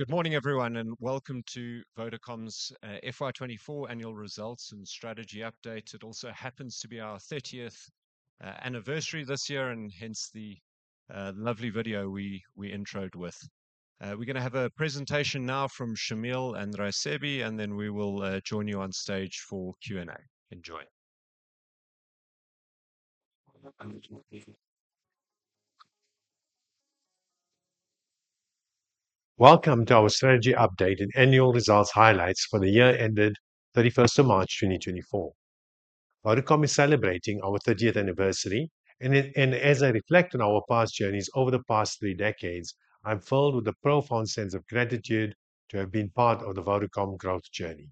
Good morning, everyone, and Welcome to Vodacom's FY 2024 annual results and strategy update. It also happens to be our 30th anniversary this year, and hence the lovely video we intro'd with. We're going to have a presentation now from Shameel and Raisibe, and then we will join you on stage for Q&A. Enjoy. Welcome to our strategy update and annual results highlights for the year ended 31st March 2024. Vodacom is celebrating our 30th anniversary, and as I reflect on our past journeys over the past three decades, I'm filled with a profound sense of gratitude to have been part of the Vodacom growth journey.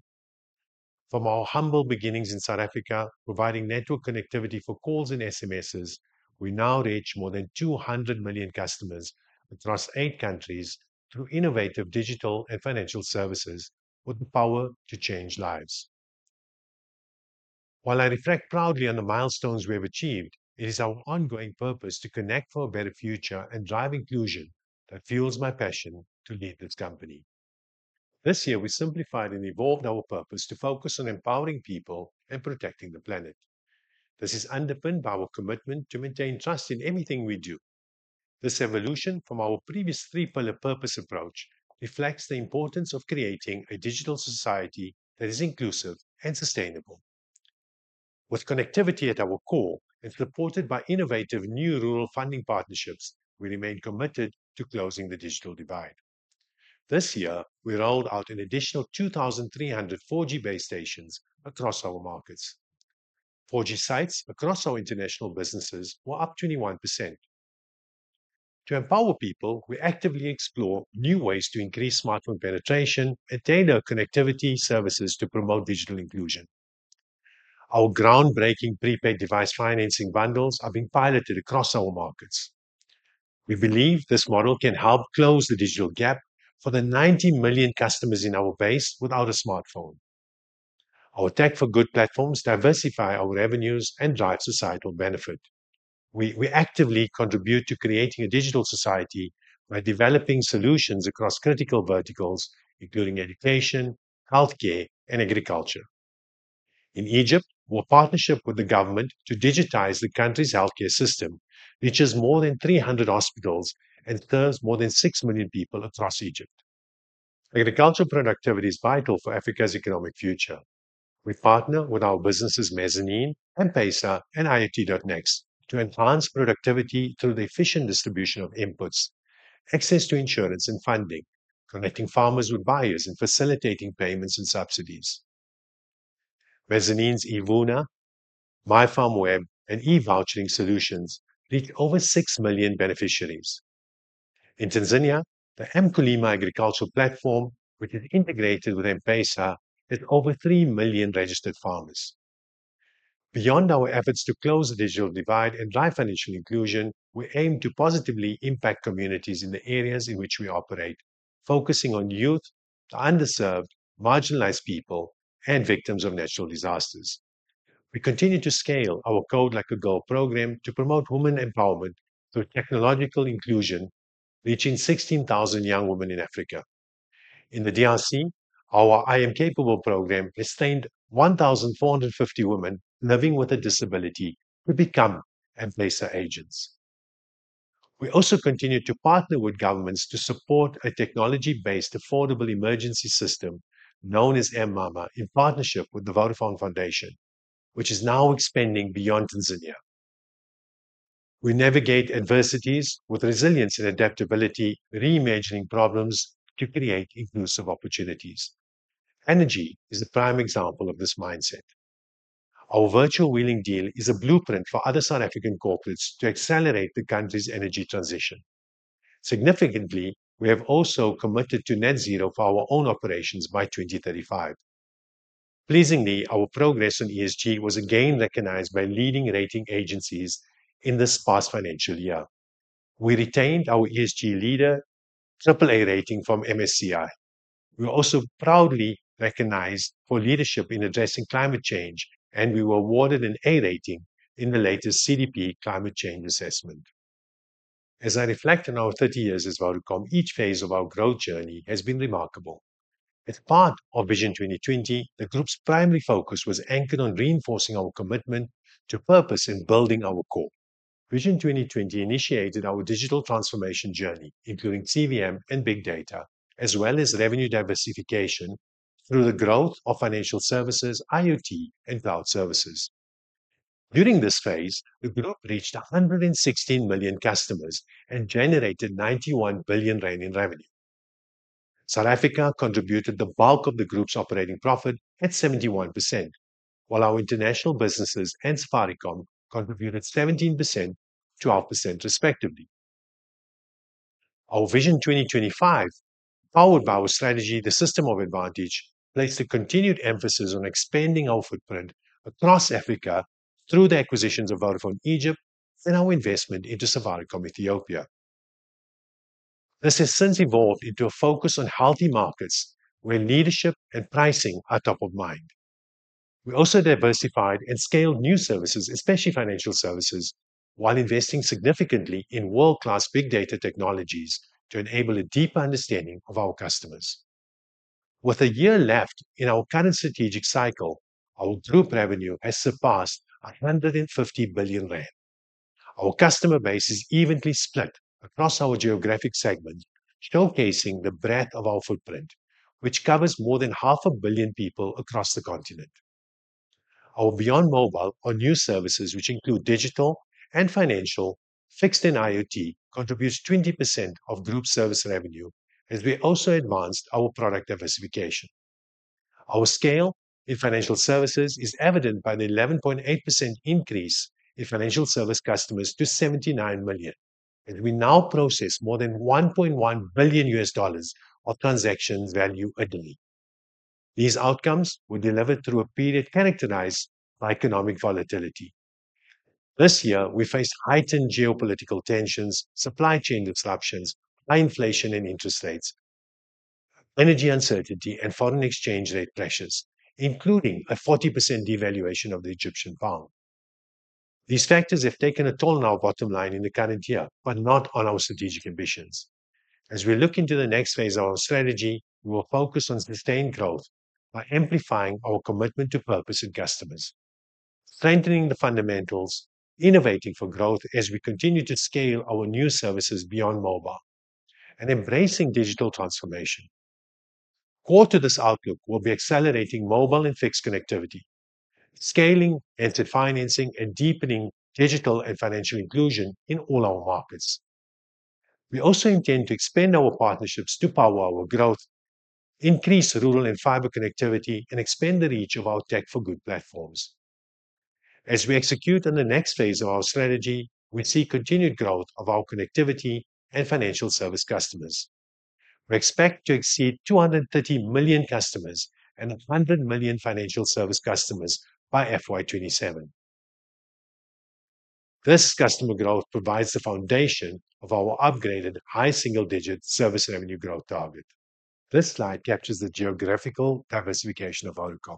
From our humble beginnings in South Africa, providing network connectivity for calls and SMSs, we now reach more than 200 million customers across eight countries through innovative digital and financial services with the power to change lives. While I reflect proudly on the milestones we have achieved, it is our ongoing purpose to connect for a better future and drive inclusion that fuels my passion to lead this company. This year, we simplified and evolved our purpose to focus on empowering people and protecting the planet. This is underpinned by our commitment to maintain trust in everything we do. This evolution from our previous three-pillar purpose approach reflects the importance of creating a digital society that is inclusive and sustainable. With connectivity at our core and supported by innovative new rural funding partnerships, we remain committed to closing the digital divide. This year, we rolled out an additional 2,300 4G base stations across our markets. 4G sites across our international businesses were up 21%. To empower people, we actively explore new ways to increase smartphone penetration and tailor connectivity services to promote digital inclusion. Our groundbreaking prepaid device financing bundles are being piloted across our markets. We believe this model can help close the digital gap for the 90 million customers in our base without a smartphone. Our tech-for-good platforms diversify our revenues and drive societal benefit. We actively contribute to creating a digital society by developing solutions across critical verticals, including education, healthcare, and agriculture. In Egypt, we'll partner with the government to digitize the country's healthcare system, which has more than 300 hospitals and serves more than six million people across Egypt. Agricultural productivity is vital for Africa's economic future. We partner with our businesses Mezzanine, M-Pesa, and IoT.nxt to enhance productivity through the efficient distribution of inputs, access to insurance and funding, connecting farmers with buyers, and facilitating payments and subsidies. Mezzanine's eVuna, MyFarmWeb, and e-vouching solutions reach over six million beneficiaries. In Tanzania, the M-Kulima Agricultural Platform, which is integrated with M-Pesa, has over three million registered farmers. Beyond our efforts to close the digital divide and drive financial inclusion, we aim to positively impact communities in the areas in which we operate, focusing on youth, the underserved, marginalized people, and victims of natural disasters. We continue to scale our Code Like a Girl program to promote women empowerment through technological inclusion, reaching 16,000 young women in Africa. In the DRC, our I Am Capable programme trained 1,450 women living with a disability to become M-Pesa agents. We also continue to partner with governments to support a technology-based affordable emergency system known as m-mama in partnership with the Vodafone Foundation, which is now expanding beyond Tanzania. We navigate adversities with resilience and adaptability, reimagining problems to create inclusive opportunities. Energy is the prime example of this mindset. Our virtual wheeling deal is a blueprint for other South African corporates to accelerate the country's energy transition. Significantly, we have also committed to net zero for our own operations by 2035. Pleasingly, our progress on ESG was again recognized by leading rating agencies in this past financial year. We retained our ESG leader AAA rating from MSCI. We were also proudly recognized for leadership in addressing climate change, and we were awarded an A rating in the latest CDP Climate Change Assessment. As I reflect on our 30 years as Vodacom, each phase of our growth journey has been remarkable. As part of Vision 2020, the group's primary focus was anchored on reinforcing our commitment to purpose in building our core. Vision 2020 initiated our digital transformation journey, including CVM and big data, as well as revenue diversification through the growth of financial services, IoT, and cloud services. During this phase, the group reached 116 million customers and generated 91 billion rand in revenue. South Africa contributed the bulk of the group's operating profit at 71%, while our international businesses and Safaricom contributed 17% and 12% respectively. Our Vision 2025, powered by our strategy The System of Advantage, placed a continued emphasis on expanding our footprint across Africa through the acquisitions of Vodafone Egypt and our investment into Safaricom Ethiopia. This has since evolved into a focus on healthy markets where leadership and pricing are top of mind. We also diversified and scaled new services, especially financial services, while investing significantly in world-class big data technologies to enable a deeper understanding of our customers. With a year left in our current strategic cycle, our group revenue has surpassed 150 billion rand. Our customer base is evenly split across our geographic segments, showcasing the breadth of our footprint, which covers more than 500 million people across the continent. Our Beyond Mobile, our new services, which include digital and financial, fixed and IoT, contribute 20% of group service revenue as we also advanced our product diversification. Our scale in financial services is evident by the 11.8% increase in financial service customers to 79 million, as we now process more than $1.1 billion of transactions value a day. These outcomes were delivered through a period characterized by economic volatility. This year, we faced heightened geopolitical tensions, supply chain disruptions, high inflation and interest rates, energy uncertainty, and foreign exchange rate pressures, including a 40% devaluation of the Egyptian pound. These factors have taken a toll on our bottom line in the current year, but not on our strategic ambitions. As we look into the next phase of our strategy, we will focus on sustained growth by amplifying our commitment to purpose and customers: strengthening the fundamentals, innovating for growth as we continue to scale our new services beyond mobile, and embracing digital transformation. Core to this outlook will be accelerating mobile and fixed connectivity, scaling asset financing, and deepening digital and financial inclusion in all our markets. We also intend to expand our partnerships to power our growth, increase rural and fiber connectivity, and expand the reach of our tech-for-good platforms. As we execute on the next phase of our strategy, we see continued growth of our connectivity and financial service customers. We expect to exceed 230 million customers and 100 million financial service customers by FY 2027. This customer growth provides the foundation of our upgraded high single-digit service revenue growth target. This slide captures the geographical diversification of Vodacom.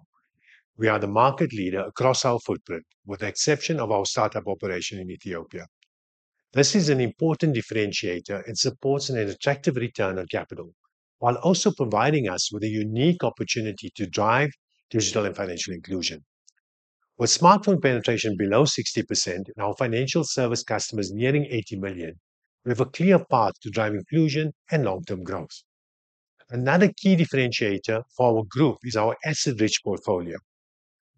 We are the market leader across our footprint, with the exception of our startup operation in Ethiopia. This is an important differentiator and supports an attractive return on capital, while also providing us with a unique opportunity to drive digital and financial inclusion. With smartphone penetration below 60% and our financial service customers nearing 80 million, we have a clear path to drive inclusion and long-term growth. Another key differentiator for our group is our asset-rich portfolio.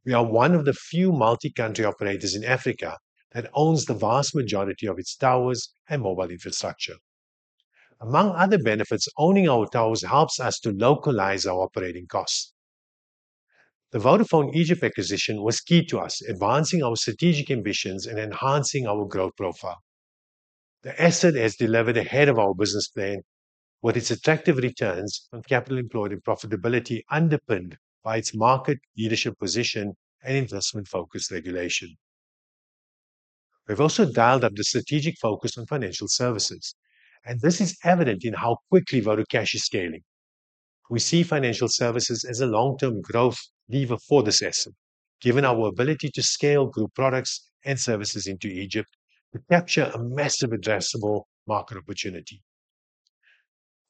We are one of the few multi-country operators in Africa that owns the vast majority of its towers and mobile infrastructure. Among other benefits, owning our towers helps us to localize our operating costs. The Vodafone Egypt acquisition was key to us advancing our strategic ambitions and enhancing our growth profile. The asset has delivered ahead of our business plan, with its attractive returns on capital employed and profitability underpinned by its market leadership position and investment-focused regulation. We've also dialed up the strategic focus on financial services, and this is evident in how quickly VodaCash is scaling. We see financial services as a long-term growth lever for this asset, given our ability to scale group products and services into Egypt to capture a massive addressable market opportunity.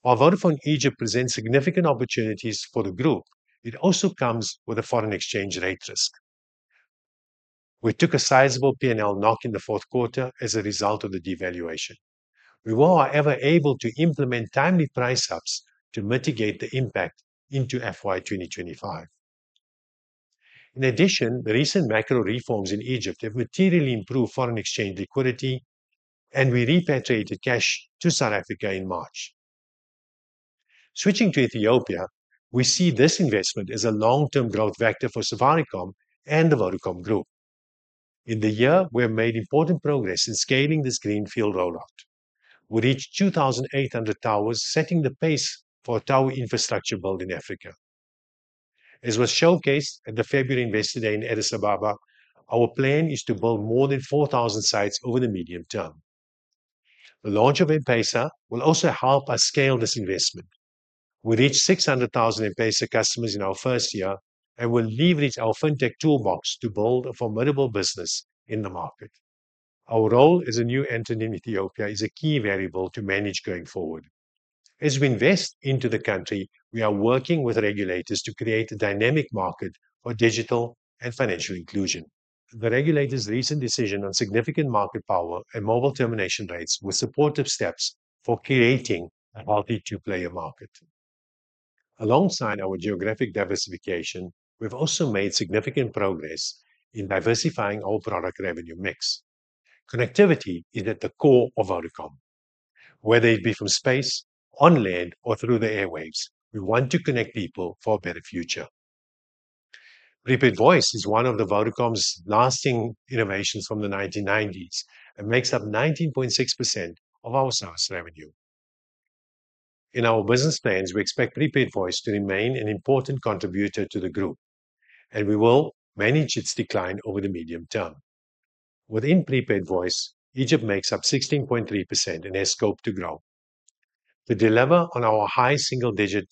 While Vodafone Egypt presents significant opportunities for the group, it also comes with a foreign exchange rate risk. We took a sizable P&L knock in the fourth quarter as a result of the devaluation. We were, however, able to implement timely price-ups to mitigate the impact into FY 2025. In addition, the recent macro reforms in Egypt have materially improved foreign exchange liquidity, and we repatriated cash to South Africa in March. Switching to Ethiopia, we see this investment as a long-term growth vector for Safaricom and the Vodacom Group. In the year, we have made important progress in scaling this greenfield rollout. We reached 2,800 towers, setting the pace for tower infrastructure build in Africa. As was showcased at the February Investor Day in Addis Ababa, our plan is to build more than 4,000 sites over the medium term. The launch of M-Pesa will also help us scale this investment. We reached 600,000 M-Pesa customers in our first year and will leverage our fintech toolbox to build a formidable business in the market. Our role as a new entrant in Ethiopia is a key variable to manage going forward. As we invest into the country, we are working with regulators to create a dynamic market for digital and financial inclusion. The regulator's recent decision on significant market power and mobile termination rates was supportive steps for creating a healthy two-player market. Alongside our geographic diversification, we've also made significant progress in diversifying our product revenue mix. Connectivity is at the core of Vodacom. Whether it be from space, on land, or through the airwaves, we want to connect people for a better future. Prepaid voice is one of Vodacom's lasting innovations from the 1990s and makes up 19.6% of our sales revenue. In our business plans, we expect prepaid voice to remain an important contributor to the group, and we will manage its decline over the medium term. Within prepaid voice, Egypt makes up 16.3% and has scope to grow. To deliver on our high single-digit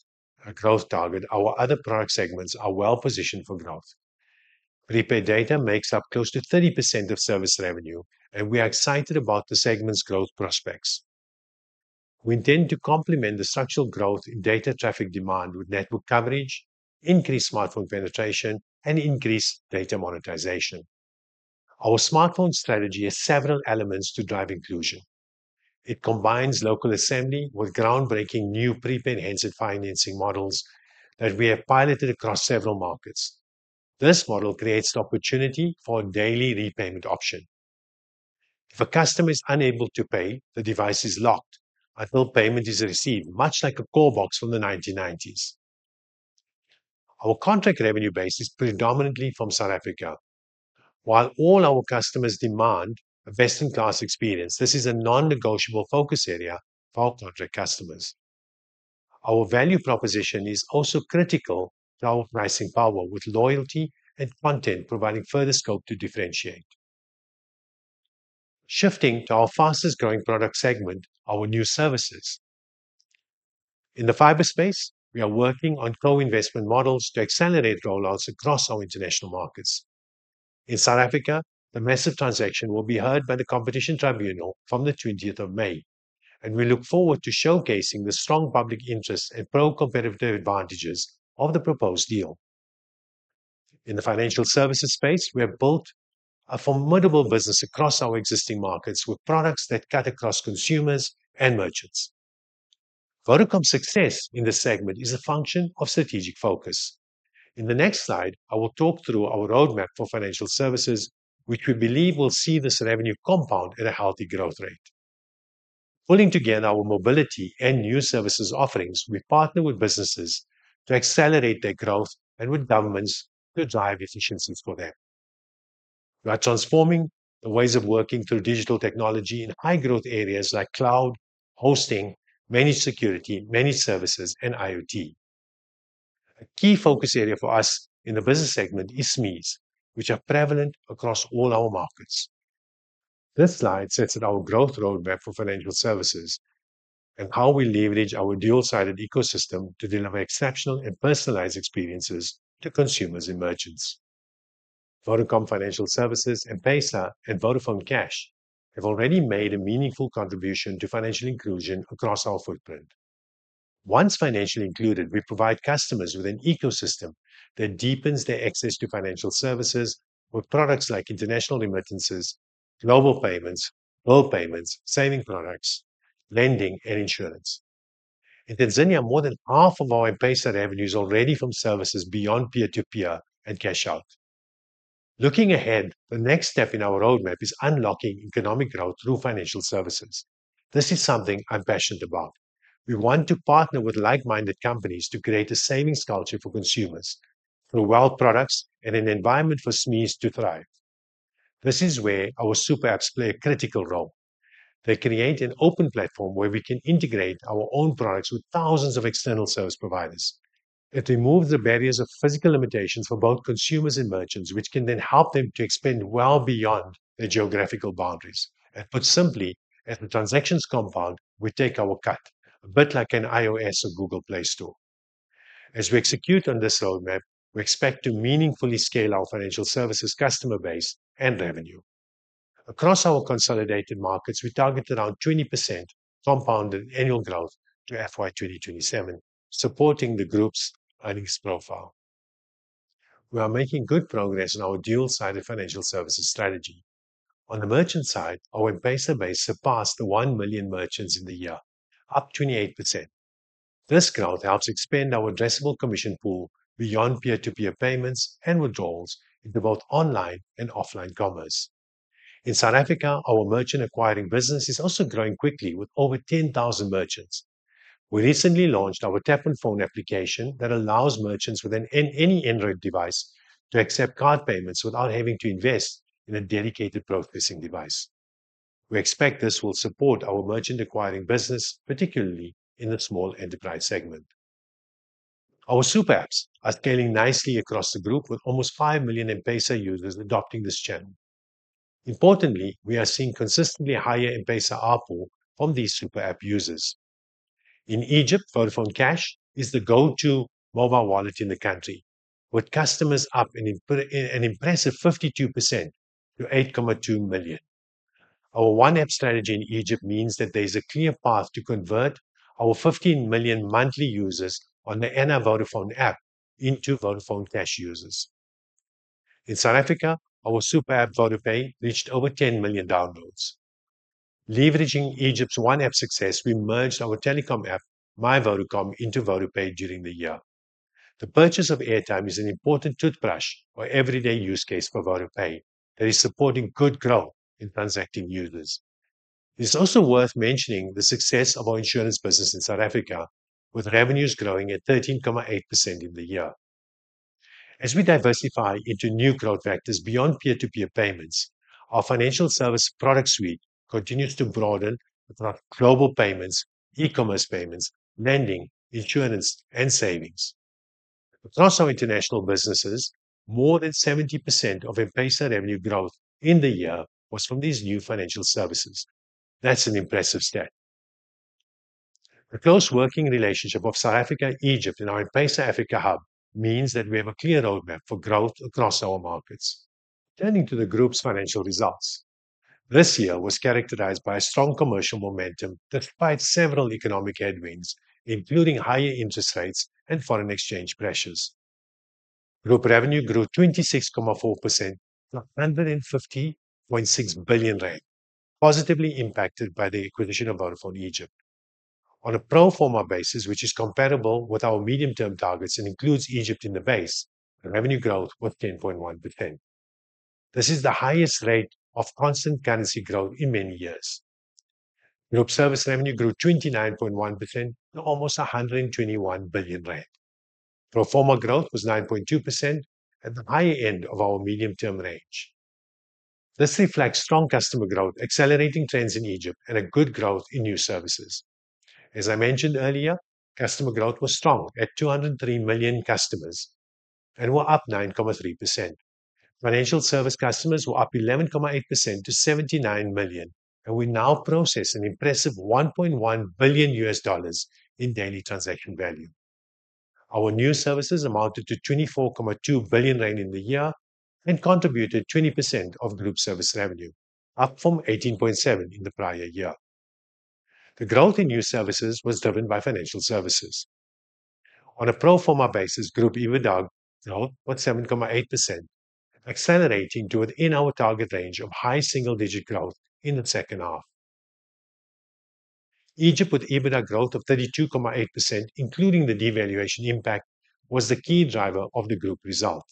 growth target, our other product segments are well-positioned for growth. Prepaid data makes up close to 30% of service revenue, and we are excited about the segment's growth prospects. We intend to complement the structural growth in data traffic demand with network coverage, increased smartphone penetration, and increased data monetization. Our smartphone strategy has several elements to drive inclusion. It combines local assembly with groundbreaking new prepaid-enhanced financing models that we have piloted across several markets. This model creates the opportunity for a daily repayment option. If a customer is unable to pay, the device is locked until payment is received, much like a call box from the 1990s. Our contract revenue base is predominantly from South Africa. While all our customers demand a best-in-class experience, this is a non-negotiable focus area for our contract customers. Our value proposition is also critical to our pricing power, with loyalty and content providing further scope to differentiate. Shifting to our fastest-growing product segment, our new services. In the fiber space, we are working on co-investment models to accelerate rollouts across our international markets. In South Africa, the MAZIV transaction will be heard by the Competition Tribunal from the 20th of May, and we look forward to showcasing the strong public interest and pro-competitive advantages of the proposed deal. In the financial services space, we have built a formidable business across our existing markets with products that cut across consumers and merchants. Vodacom's success in this segment is a function of strategic focus. In the next slide, I will talk through our roadmap for financial services, which we believe will see this revenue compound at a healthy growth rate. Pulling together our mobility and new services offerings, we partner with businesses to accelerate their growth and with governments to drive efficiencies for them. We are transforming the ways of working through digital technology in high-growth areas like cloud, hosting, managed security, managed services, and IoT. A key focus area for us in the business segment is SMEs, which are prevalent across all our markets. This slide sets out our growth roadmap for financial services and how we leverage our dual-sided ecosystem to deliver exceptional and personalized experiences to consumers and merchants. Vodacom Financial Services, M-Pesa, and Vodafone Cash have already made a meaningful contribution to financial inclusion across our footprint. Once financially included, we provide customers with an ecosystem that deepens their access to financial services with products like international remittances, global payments, world payments, savings products, lending, and insurance. In Tanzania, more than half of our M-Pesa revenue is already from services beyond peer-to-peer and cash-out. Looking ahead, the next step in our roadmap is unlocking economic growth through financial services. This is something I'm passionate about. We want to partner with like-minded companies to create a savings culture for consumers through wealth products and an environment for SMEs to thrive. This is where our super apps play a critical role. They create an open platform where we can integrate our own products with thousands of external service providers. It removes the barriers of physical limitations for both consumers and merchants, which can then help them to expand well beyond their geographical boundaries. Put simply, as the transactions compound, we take our cut, a bit like an iOS or Google Play Store. As we execute on this roadmap, we expect to meaningfully scale our financial services customer base and revenue. Across our consolidated markets, we target around 20% compounded annual growth to FY 2027, supporting the group's earnings profile. We are making good progress in our dual-sided financial services strategy. On the merchant side, our M-Pesa base surpassed one million merchants in the year, up 28%. This growth helps expand our addressable commission pool beyond peer-to-peer payments and withdrawals into both online and offline commerce. In South Africa, our merchant-acquiring business is also growing quickly, with over 10,000 merchants. We recently launched our Tap on Phone application that allows merchants with any Android device to accept card payments without having to invest in a dedicated processing device. We expect this will support our merchant-acquiring business, particularly in the small enterprise segment. Our super apps are scaling nicely across the group, with almost five million M-Pesa users adopting this channel. Importantly, we are seeing consistently higher M-Pesa ARPU from these super app users. In Egypt, Vodafone Cash is the go-to mobile wallet in the country, with customers up an impressive 52% to 8.2 million. Our one-app strategy in Egypt means that there is a clear path to convert our 15 million monthly users on the My Vodafone app into Vodafone Cash users. In South Africa, our super app VodaPay reached over 10 million downloads. Leveraging Egypt's one-app success, we merged our telecom app, My Vodacom, into VodaPay during the year. The purchase of airtime is an important touchpoint or everyday use case for VodaPay that is supporting good growth in transacting users. It is also worth mentioning the success of our insurance business in South Africa, with revenues growing at 13.8% in the year. As we diversify into new growth vectors beyond peer-to-peer payments, our financial service product suite continues to broaden across global payments, e-commerce payments, lending, insurance, and savings. Across our international businesses, more than 70% of M-Pesa revenue growth in the year was from these new financial services. That's an impressive stat. The close working relationship of South Africa-Egypt and our M-Pesa Africa hub means that we have a clear roadmap for growth across our markets. Turning to the group's financial results. This year was characterized by a strong commercial momentum despite several economic headwinds, including higher interest rates and foreign exchange pressures. Group revenue grew 26.4% to 150.6 billion rand, positively impacted by the acquisition of Vodafone Egypt. On a pro-forma basis, which is comparable with our medium-term targets and includes Egypt in the base, revenue growth was 10.1%. This is the highest rate of constant currency growth in many years. Group service revenue grew 29.1% to almost 121 billion rand. Pro-forma growth was 9.2%, at the higher end of our medium-term range. This reflects strong customer growth, accelerating trends in Egypt, and a good growth in new services. As I mentioned earlier, customer growth was strong at 203 million customers and were up 9.3%. Financial service customers were up 11.8% to 79 million, and we now process an impressive $1.1 billion in daily transaction value. Our new services amounted to 24.2 billion rand in the year and contributed 20% of group service revenue, up from 18.7% in the prior year. The growth in new services was driven by financial services. On a pro-forma basis, group EBITDA growth was 7.8%, accelerating towards our target range of high single-digit growth in the second half. Egypt with EBITDA growth of 32.8%, including the devaluation impact, was the key driver of the group result.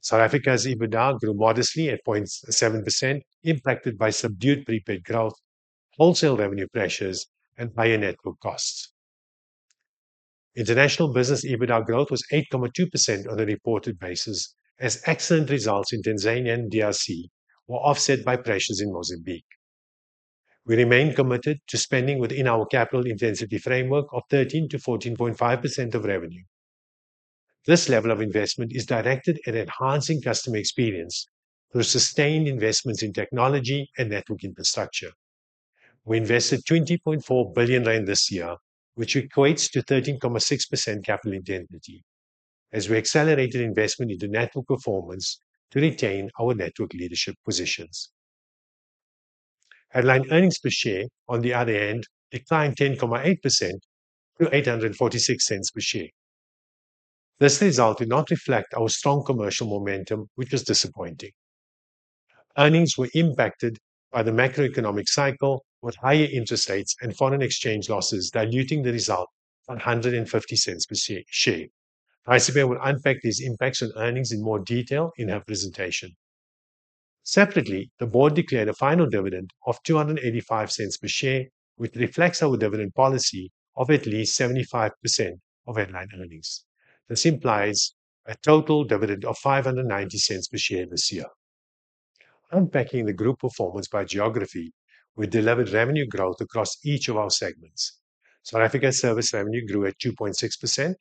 South Africa's EBITDA grew modestly at 0.7%, impacted by subdued prepaid growth, wholesale revenue pressures, and higher network costs. International business EBITDA growth was 8.2% on a reported basis, as excellent results in Tanzania and DRC were offset by pressures in Mozambique. We remain committed to spending within our capital intensity framework of 13%-14.5% of revenue. This level of investment is directed at enhancing customer experience through sustained investments in technology and network infrastructure. We invested 20.4 billion rand this year, which equates to 13.6% capital intensity, as we accelerated investment into network performance to retain our network leadership positions. Headline earnings per share, on the other hand, declined 10.8% to 8.46 per share. This result did not reflect our strong commercial momentum, which was disappointing. Earnings were impacted by the macroeconomic cycle, with higher interest rates and foreign exchange losses diluting the result to 1.50 per share. Raisibe will unpack these impacts on earnings in more detail in her presentation. Separately, the board declared a final dividend of 2.85 per share, which reflects our dividend policy of at least 75% of headline earnings. This implies a total dividend of 5.90 per share this year. Unpacking the group performance by geography, we delivered revenue growth across each of our segments. South Africa's service revenue grew at 2.6%.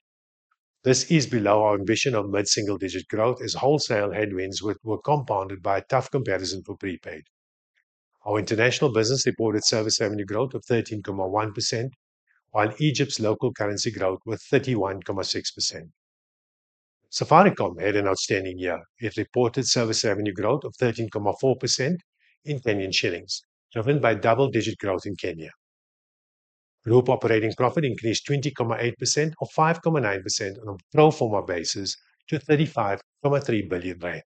This is below our ambition of mid-single-digit growth, as wholesale headwinds were compounded by a tough comparison for prepaid. Our international business reported service revenue growth of 13.1%, while Egypt's local currency growth was 31.6%. Safaricom had an outstanding year. It reported service revenue growth of 13.4% in Kenyan shillings, driven by double-digit growth in Kenya. Group operating profit increased 20.8% or 5.9% on a pro-forma basis to 35.3 billion rand.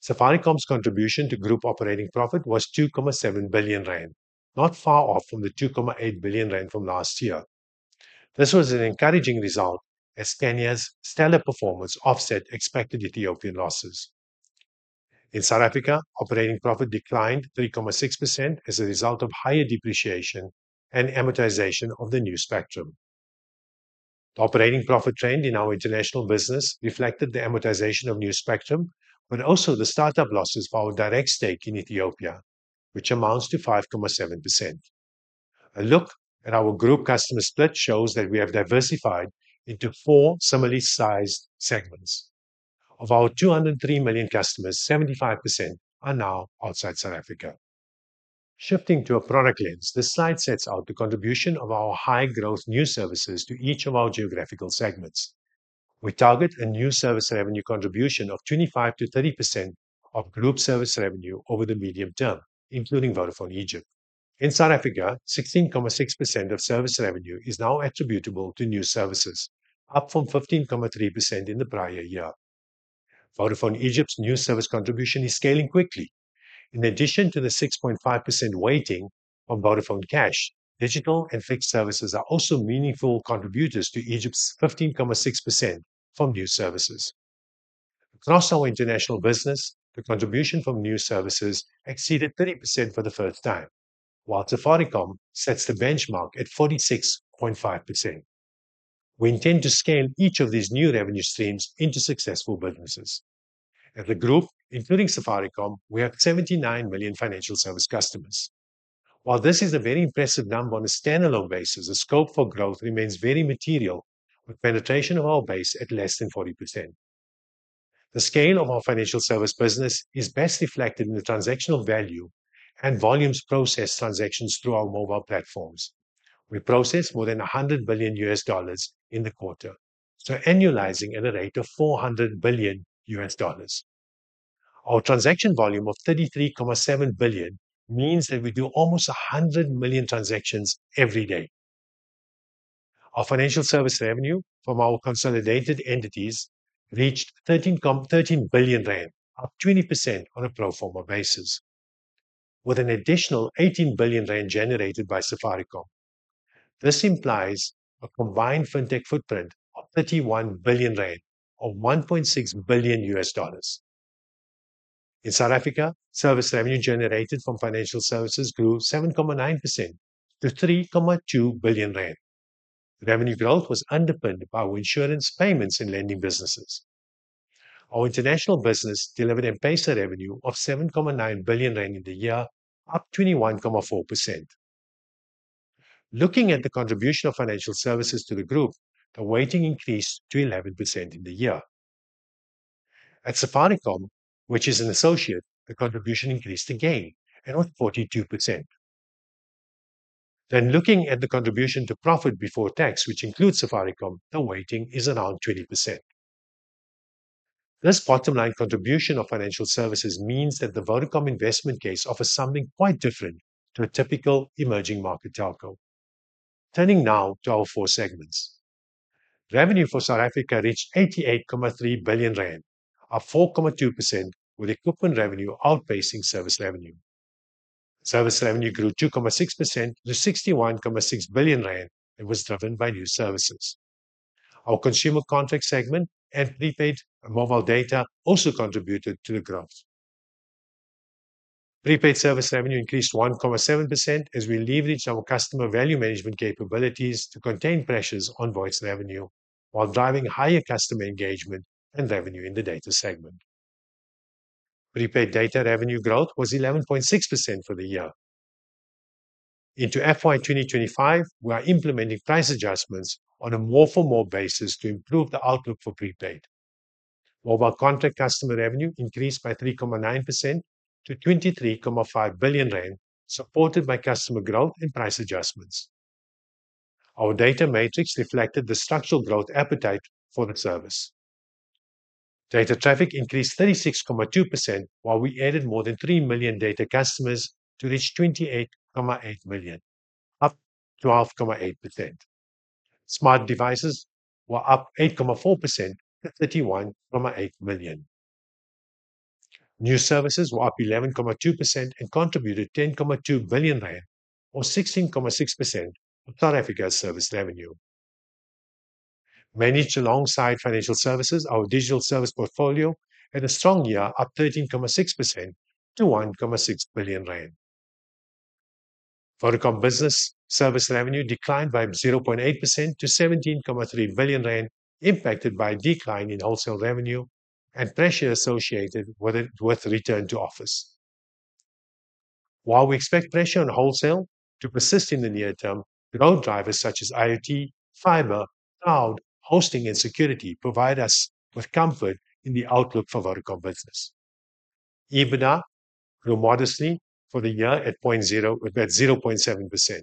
Safaricom's contribution to group operating profit was 2.7 billion rand, not far off from the 2.8 billion rand from last year. This was an encouraging result, as Kenya's stellar performance offset expected Ethiopian losses. In South Africa, operating profit declined 3.6% as a result of higher depreciation and amortization of the new spectrum. The operating profit trend in our international business reflected the amortization of new spectrum, but also the startup losses for our direct stake in Ethiopia, which amounts to 5.7%. A look at our group customer split shows that we have diversified into four similarly sized segments. Of our 203 million customers, 75% are now outside South Africa. Shifting to a product lens, this slide sets out the contribution of our high-growth new services to each of our geographical segments. We target a new service revenue contribution of 25%-30% of group service revenue over the medium term, including Vodafone Egypt. In South Africa, 16.6% of service revenue is now attributable to new services, up from 15.3% in the prior year. Vodafone Egypt's new service contribution is scaling quickly. In addition to the 6.5% weighting from Vodafone Cash, digital and fixed services are also meaningful contributors to Egypt's 15.6% from new services. Across our international business, the contribution from new services exceeded 30% for the first time, while Safaricom sets the benchmark at 46.5%. We intend to scale each of these new revenue streams into successful businesses. At the group, including Safaricom, we have 79 million financial service customers. While this is a very impressive number on a standalone basis, the scope for growth remains very material, with penetration of our base at less than 40%. The scale of our financial service business is best reflected in the transactional value and volumes processed transactions through our mobile platforms. We process more than $100 billion in the quarter, so annualizing at a rate of $400 billion. Our transaction volume of $33.7 billion means that we do almost 100 million transactions every day. Our financial service revenue from our consolidated entities reached 13 billion rand, up 20% on a pro-forma basis, with an additional 18 billion rand generated by Safaricom. This implies a combined fintech footprint of 31 billion rand or $1.6 billion. In South Africa, service revenue generated from financial services grew 7.9% to 3.2 billion rand. Revenue growth was underpinned by our insurance payments and lending businesses. Our international business delivered M-Pesa revenue of 7.9 billion rand in the year, up 21.4%. Looking at the contribution of financial services to the group, the weighting increased to 11% in the year. At Safaricom, which is an associate, the contribution increased again and was 42%. Then, looking at the contribution to profit before tax, which includes Safaricom, the weighting is around 20%. This bottom-line contribution of financial services means that the Vodacom investment case offers something quite different to a typical emerging market telco. Turning now to our four segments. Revenue for South Africa reached 88.3 billion rand, up 4.2%, with equipment revenue outpacing service revenue. Service revenue grew 2.6% to 61.6 billion rand and was driven by new services. Our consumer contract segment and prepaid mobile data also contributed to the growth. Prepaid service revenue increased 1.7% as we leveraged our customer value management capabilities to contain pressures on voice revenue while driving higher customer engagement and revenue in the data segment. Prepaid data revenue growth was 11.6% for the year. Into FY 2025, we are implementing price adjustments on a more-for-more basis to improve the outlook for prepaid. Mobile contract customer revenue increased by 3.9% to 23.5 billion rand, supported by customer growth and price adjustments. Our data metrics reflected the structural growth appetite for the service. Data traffic increased 36.2% while we added more than three million data customers to reach 28.8 million, up 12.8%. Smart devices were up 8.4% to 31.8 million. New services were up 11.2% and contributed 10.2 billion rand, or 16.6%, of South Africa's service revenue. Managed alongside financial services, our digital service portfolio had a strong year, up 13.6% to 1.6 billion rand. Vodacom Business service revenue declined by 0.8% to 17.3 billion rand, impacted by a decline in wholesale revenue and pressure associated with return to office. While we expect pressure on wholesale to persist in the near term, growth drivers such as IoT, fiber, cloud, hosting, and security provide us with comfort in the outlook for Vodacom Business. EBITDA grew modestly for the year at 0.7%.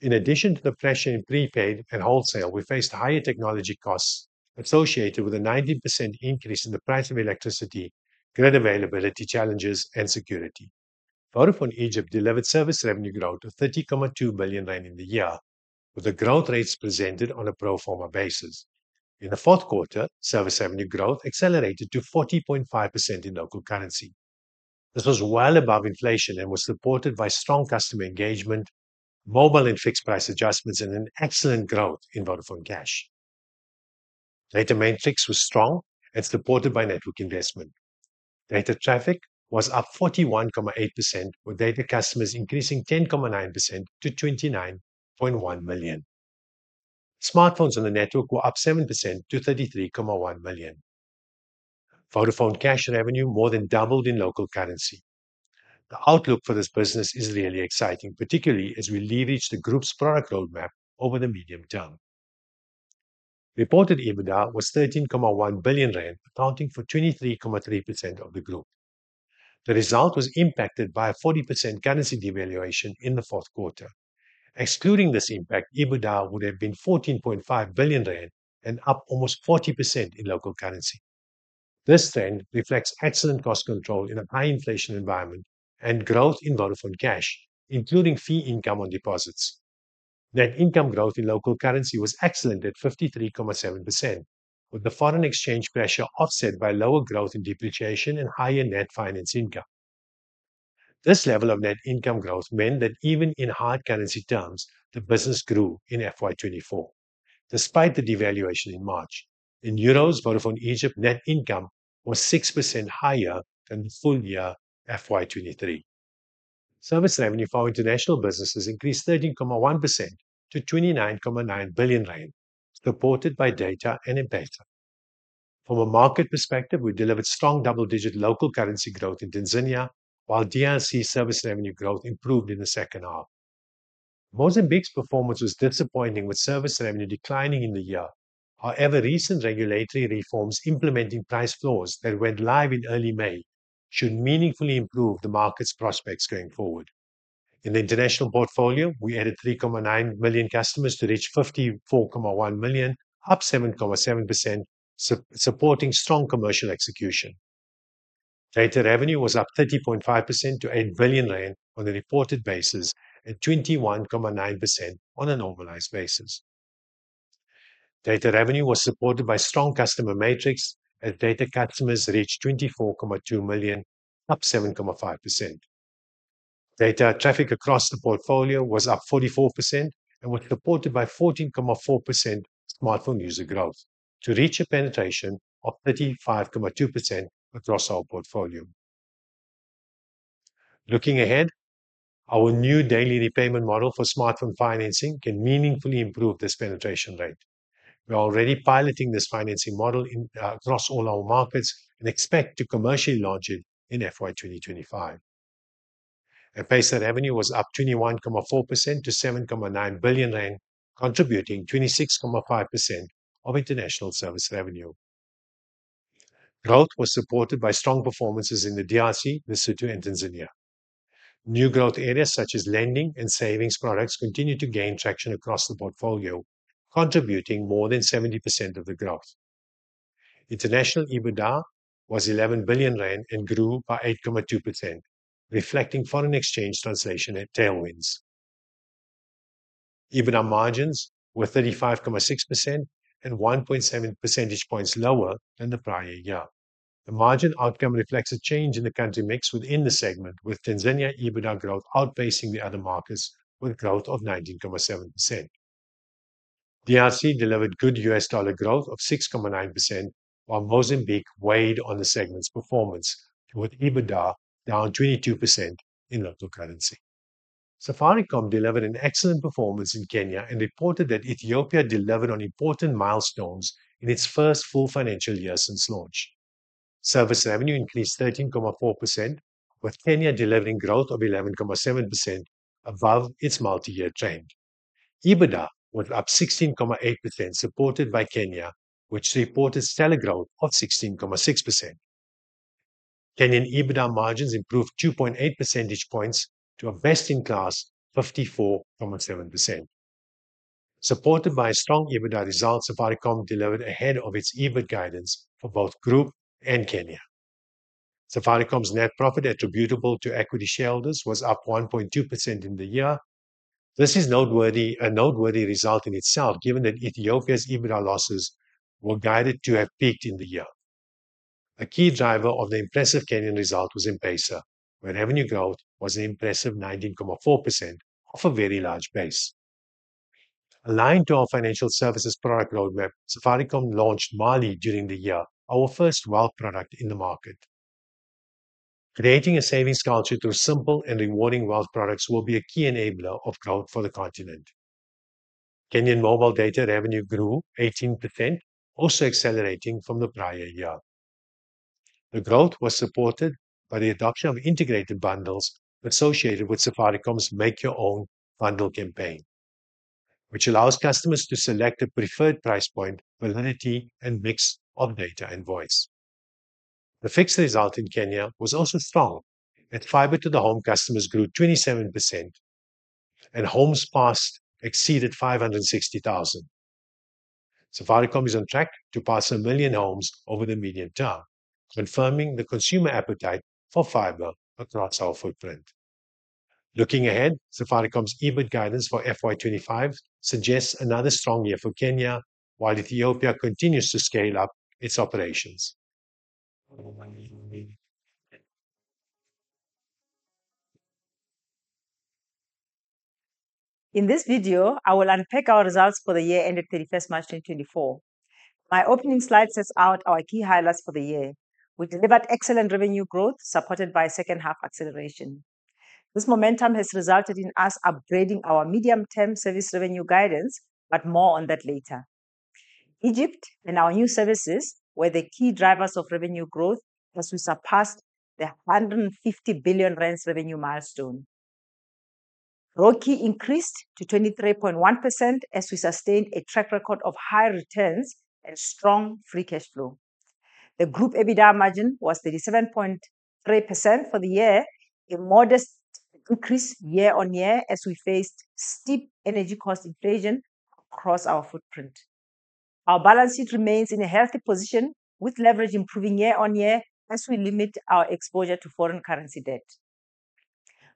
In addition to the pressure in prepaid and wholesale, we faced higher technology costs associated with a 90% increase in the price of electricity, grid availability challenges, and security. Vodafone Egypt delivered service revenue growth of 30.2 billion rand in the year, with the growth rates presented on a pro-forma basis. In the fourth quarter, service revenue growth accelerated to 40.5% in local currency. This was well above inflation and was supported by strong customer engagement, mobile and fixed price adjustments, and an excellent growth in Vodafone Cash. Data metrics was strong and supported by network investment. Data traffic was up 41.8%, with data customers increasing 10.9% to 29.1 million. Smartphones on the network were up 7% to 33.1 million. Vodafone Cash revenue more than doubled in local currency. The outlook for this business is really exciting, particularly as we leverage the group's product roadmap over the medium term. Reported EBITDA was 13.1 billion rand, accounting for 23.3% of the group. The result was impacted by a 40% currency devaluation in the fourth quarter. Excluding this impact, EBITDA would have been 14.5 billion rand and up almost 40% in local currency. This trend reflects excellent cost control in a high-inflation environment and growth in Vodafone Cash, including fee income on deposits. Net income growth in local currency was excellent at 53.7%, with the foreign exchange pressure offset by lower growth in depreciation and higher net finance income. This level of net income growth meant that even in hard currency terms, the business grew in FY 2024, despite the devaluation in March. In euros, Vodafone Egypt net income was 6% higher than the full year FY 2023. Service revenue for our international businesses increased 13.1% to 29.9 billion rand, supported by data and impact. From a market perspective, we delivered strong double-digit local currency growth in Tanzania, while DRC service revenue growth improved in the second half. Mozambique's performance was disappointing, with service revenue declining in the year. However, recent regulatory reforms implementing price floors that went live in early May should meaningfully improve the market's prospects going forward. In the international portfolio, we added 3.9 million customers to reach 54.1 million, up 7.7%, supporting strong commercial execution. Data revenue was up 30.5% to 8 billion rand on a reported basis and 21.9% on a normalized basis. Data revenue was supported by strong customer metrics as data customers reached 24.2 million, up 7.5%. Data traffic across the portfolio was up 44% and was supported by 14.4% smartphone user growth to reach a penetration of 35.2% across our portfolio. Looking ahead, our new daily repayment model for smartphone financing can meaningfully improve this penetration rate. We are already piloting this financing model across all our markets and expect to commercially launch it in FY 2025. Enterprise revenue was up 21.4% to 7.9 billion rand, contributing 26.5% of international service revenue. Growth was supported by strong performances in the DRC, Mozambique, and Tanzania. New growth areas such as lending and savings products continue to gain traction across the portfolio, contributing more than 70% of the growth. International EBITDA was 11 billion rand and grew by 8.2%, reflecting foreign exchange translation at tailwinds. EBITDA margins were 35.6% and 1.7 percentage points lower than the prior year. The margin outcome reflects a change in the country mix within the segment, with Tanzania EBITDA growth outpacing the other markets with a growth of 19.7%. DRC delivered good USD growth of 6.9%, while Mozambique weighed on the segment's performance, with EBITDA down 22% in local currency. Safaricom delivered an excellent performance in Kenya and reported that Ethiopia delivered on important milestones in its first full financial year since launch. Service revenue increased 13.4%, with Kenya delivering growth of 11.7% above its multi-year trend. EBITDA was up 16.8%, supported by Kenya, which reported stellar growth of 16.6%. Kenyan EBITDA margins improved 2.8 percentage points to a best-in-class 54.7%. Supported by strong EBITDA results, Safaricom delivered ahead of its EBIT guidance for both the group and Kenya. Safaricom's net profit attributable to equity shareholders was up 1.2% in the year. This is a noteworthy result in itself, given that Ethiopia's EBITDA losses were guided to have peaked in the year. A key driver of the impressive Kenyan result was M-Pesa, where revenue growth was an impressive 19.4% off a very large base. Aligned to our financial services product roadmap, Safaricom launched Mali during the year, our first wealth product in the market. Creating a savings culture through simple and rewarding wealth products will be a key enabler of growth for the continent. Kenyan mobile data revenue grew 18%, also accelerating from the prior year. The growth was supported by the adoption of integrated bundles associated with Safaricom's Make Your Own Bundle campaign, which allows customers to select a preferred price point, validity, and mix of data and voice. The fixed result in Kenya was also strong, as fiber-to-the-home customers grew 27% and homes passed exceeded 560,000. Safaricom is on track to pass one million homes over the medium term, confirming the consumer appetite for fiber across our footprint. Looking ahead, Safaricom's EBIT guidance for FY 2025 suggests another strong year for Kenya, while Ethiopia continues to scale up its operations. In this video, I will unpack our results for the year ended 31st March 2024. My opening slide sets out our key highlights for the year. We delivered excellent revenue growth, supported by a second-half acceleration. This momentum has resulted in us upgrading our medium-term service revenue guidance, but more on that later. Egypt and our new services were the key drivers of revenue growth as we surpassed the 150 billion revenue milestone. ROCE increased to 23.1% as we sustained a track record of high returns and strong Free Cash Flow. The group EBITDA margin was 37.3% for the year, a modest increase year-on-year as we faced steep energy cost inflation across our footprint. Our balance sheet remains in a healthy position, with leverage improving year-on-year as we limit our exposure to foreign currency debt.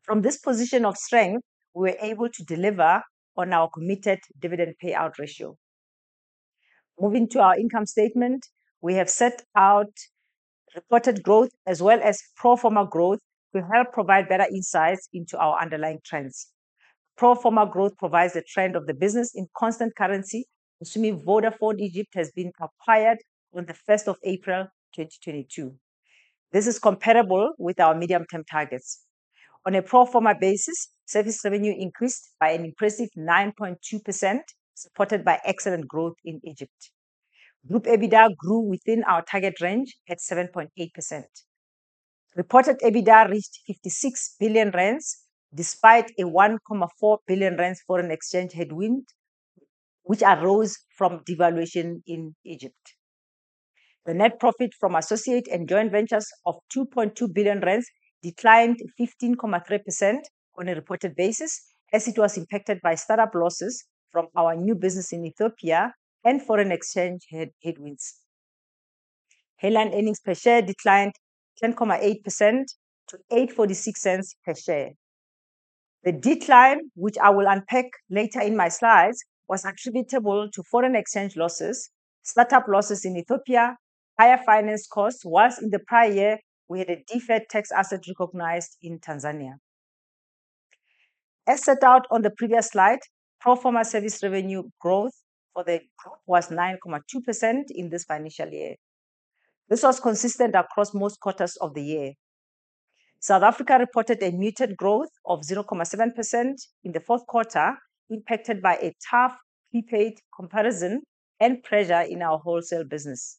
From this position of strength, we were able to deliver on our committed dividend payout ratio. Moving to our income statement, we have set out reported growth as well as pro-forma growth to help provide better insights into our underlying trends. Pro-forma growth provides the trend of the business in constant currency, assuming Vodafone Egypt has been acquired on 1st April, 2022. This is comparable with our medium-term targets. On a pro-forma basis, service revenue increased by an impressive 9.2%, supported by excellent growth in Egypt. Group EBITDA grew within our target range at 7.8%. Reported EBITDA reached 56 billion rand, despite a 1.4 billion rand foreign exchange headwind, which arose from devaluation in Egypt. The net profit from associate and joint ventures of 2.2 billion rand declined 15.3% on a reported basis as it was impacted by startup losses from our new business in Ethiopia and foreign exchange headwinds. Headline earnings per share declined 10.8% to 8.46 per share. The decline, which I will unpack later in my slides, was attributable to foreign exchange losses, startup losses in Ethiopia, and higher finance costs, while in the prior year we had a deferred tax asset recognized in Tanzania. As set out on the previous slide, pro forma service revenue growth for the group was 9.2% in this financial year. This was consistent across most quarters of the year. South Africa reported a muted growth of 0.7% in the fourth quarter, impacted by a tough prepaid comparison and pressure in our wholesale business.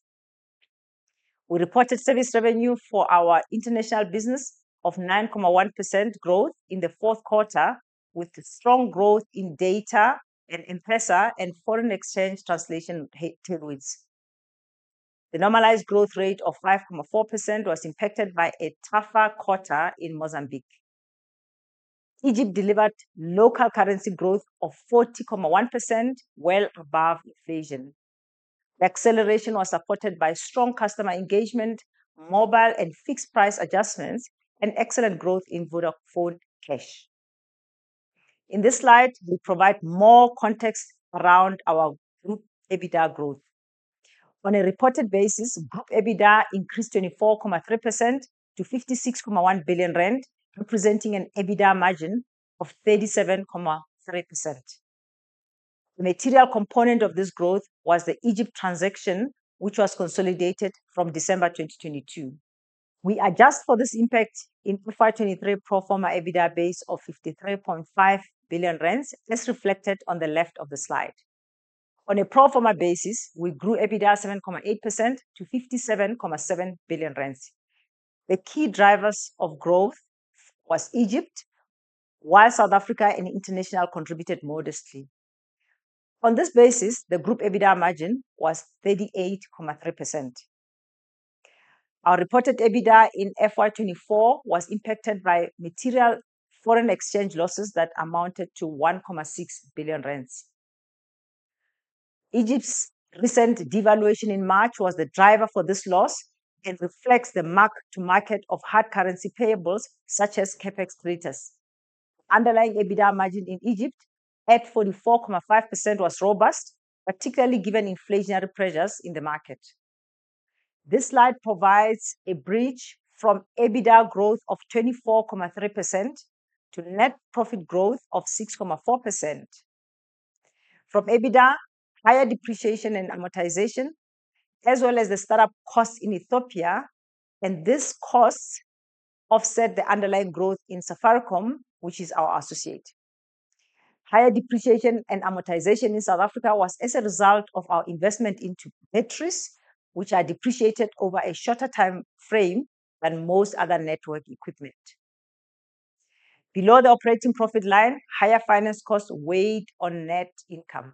We reported service revenue for our international business of 9.1% growth in the fourth quarter, with strong growth in data and M-Pesa and foreign exchange translation headwinds. The normalized growth rate of 5.4% was impacted by a tougher quarter in Mozambique. Egypt delivered local currency growth of 40.1%, well above inflation. The acceleration was supported by strong customer engagement, mobile and fixed price adjustments, and excellent growth in Vodafone Cash. In this slide, we provide more context around our group EBITDA growth. On a reported basis, group EBITDA increased 24.3% to 56.1 billion rand, representing an EBITDA margin of 37.3%. The material component of this growth was the Egypt transaction, which was consolidated from December 2022. We adjusted for this impact in FY 2023 pro-forma EBITDA base of 53.5 billion rand, as reflected on the left of the slide. On a pro-forma basis, we grew EBITDA 7.8% to 57.7 billion rand. The key drivers of growth were Egypt, while South Africa and international contributed modestly. On this basis, the group EBITDA margin was 38.3%. Our reported EBITDA in FY 2024 was impacted by material foreign exchange losses that amounted to 1.6 billion rand. Egypt's recent devaluation in March was the driver for this loss and reflects the mark-to-market of hard currency payables such as CapEx credits. The underlying EBITDA margin in Egypt at 44.5% was robust, particularly given inflationary pressures in the market. This slide provides a bridge from EBITDA growth of 24.3% to net profit growth of 6.4%. From EBITDA, higher depreciation and amortization, as well as the startup costs in Ethiopia, and these costs offset the underlying growth in Safaricom, which is our associate. Higher depreciation and amortization in South Africa was as a result of our investment into batteries, which are depreciated over a shorter time frame than most other network equipment. Below the operating profit line, higher finance costs weighed on net income.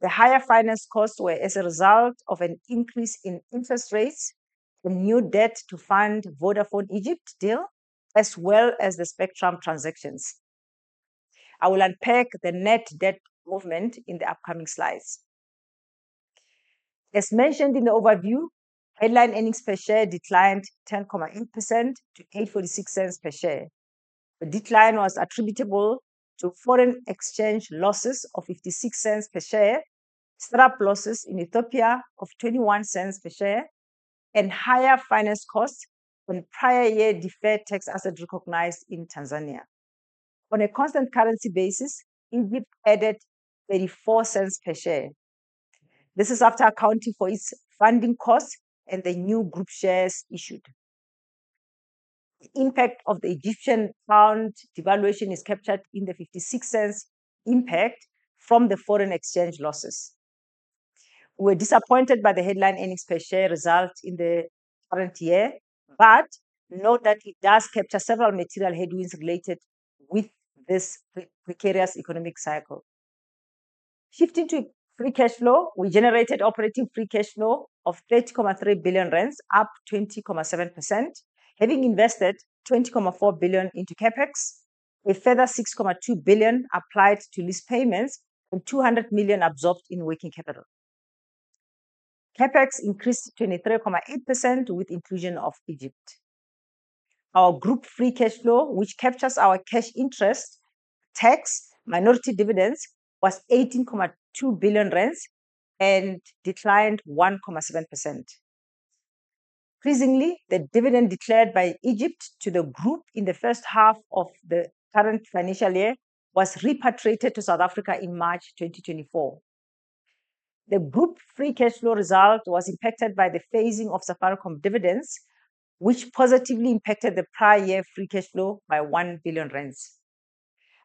The higher finance costs were as a result of an increase in interest rates, the new debt-to-fund Vodafone Egypt deal, as well as the spectrum transactions. I will unpack the net debt movement in the upcoming slides. As mentioned in the overview, headline earnings per share declined 10.8% to 8.46 per share. The decline was attributable to foreign exchange losses of 0.56 per share, startup losses in Ethiopia of 0.21 per share, and higher finance costs from the prior year deferred tax assets recognized in Tanzania. On a constant currency basis, Egypt added 0.34 per share. This is after accounting for its funding costs and the new group shares issued. The impact of the Egyptian pound devaluation is captured in the 0.56 impact from the foreign exchange losses. We were disappointed by the Headline Earnings per share result in the current year, but note that it does capture several material headwinds related with this precarious economic cycle. Shifting to Free Cash Flow, we generated operating Free Cash Flow of 30.3 billion rand, up 20.7%, having invested 20.4 billion into CapEx, a further 6.2 billion applied to lease payments, and 200 million absorbed in working capital. CapEx increased 23.8% with inclusion of Egypt. Our group Free Cash Flow, which captures our cash interest tax, minority dividends, was 18.2 billion rand and declined 1.7%. Pleasingly, the dividend declared by Egypt to the group in the first half of the current financial year was repatriated to South Africa in March 2024. The group Free Cash Flow result was impacted by the phasing of Safaricom dividends, which positively impacted the prior year Free Cash Flow by 1 billion rand.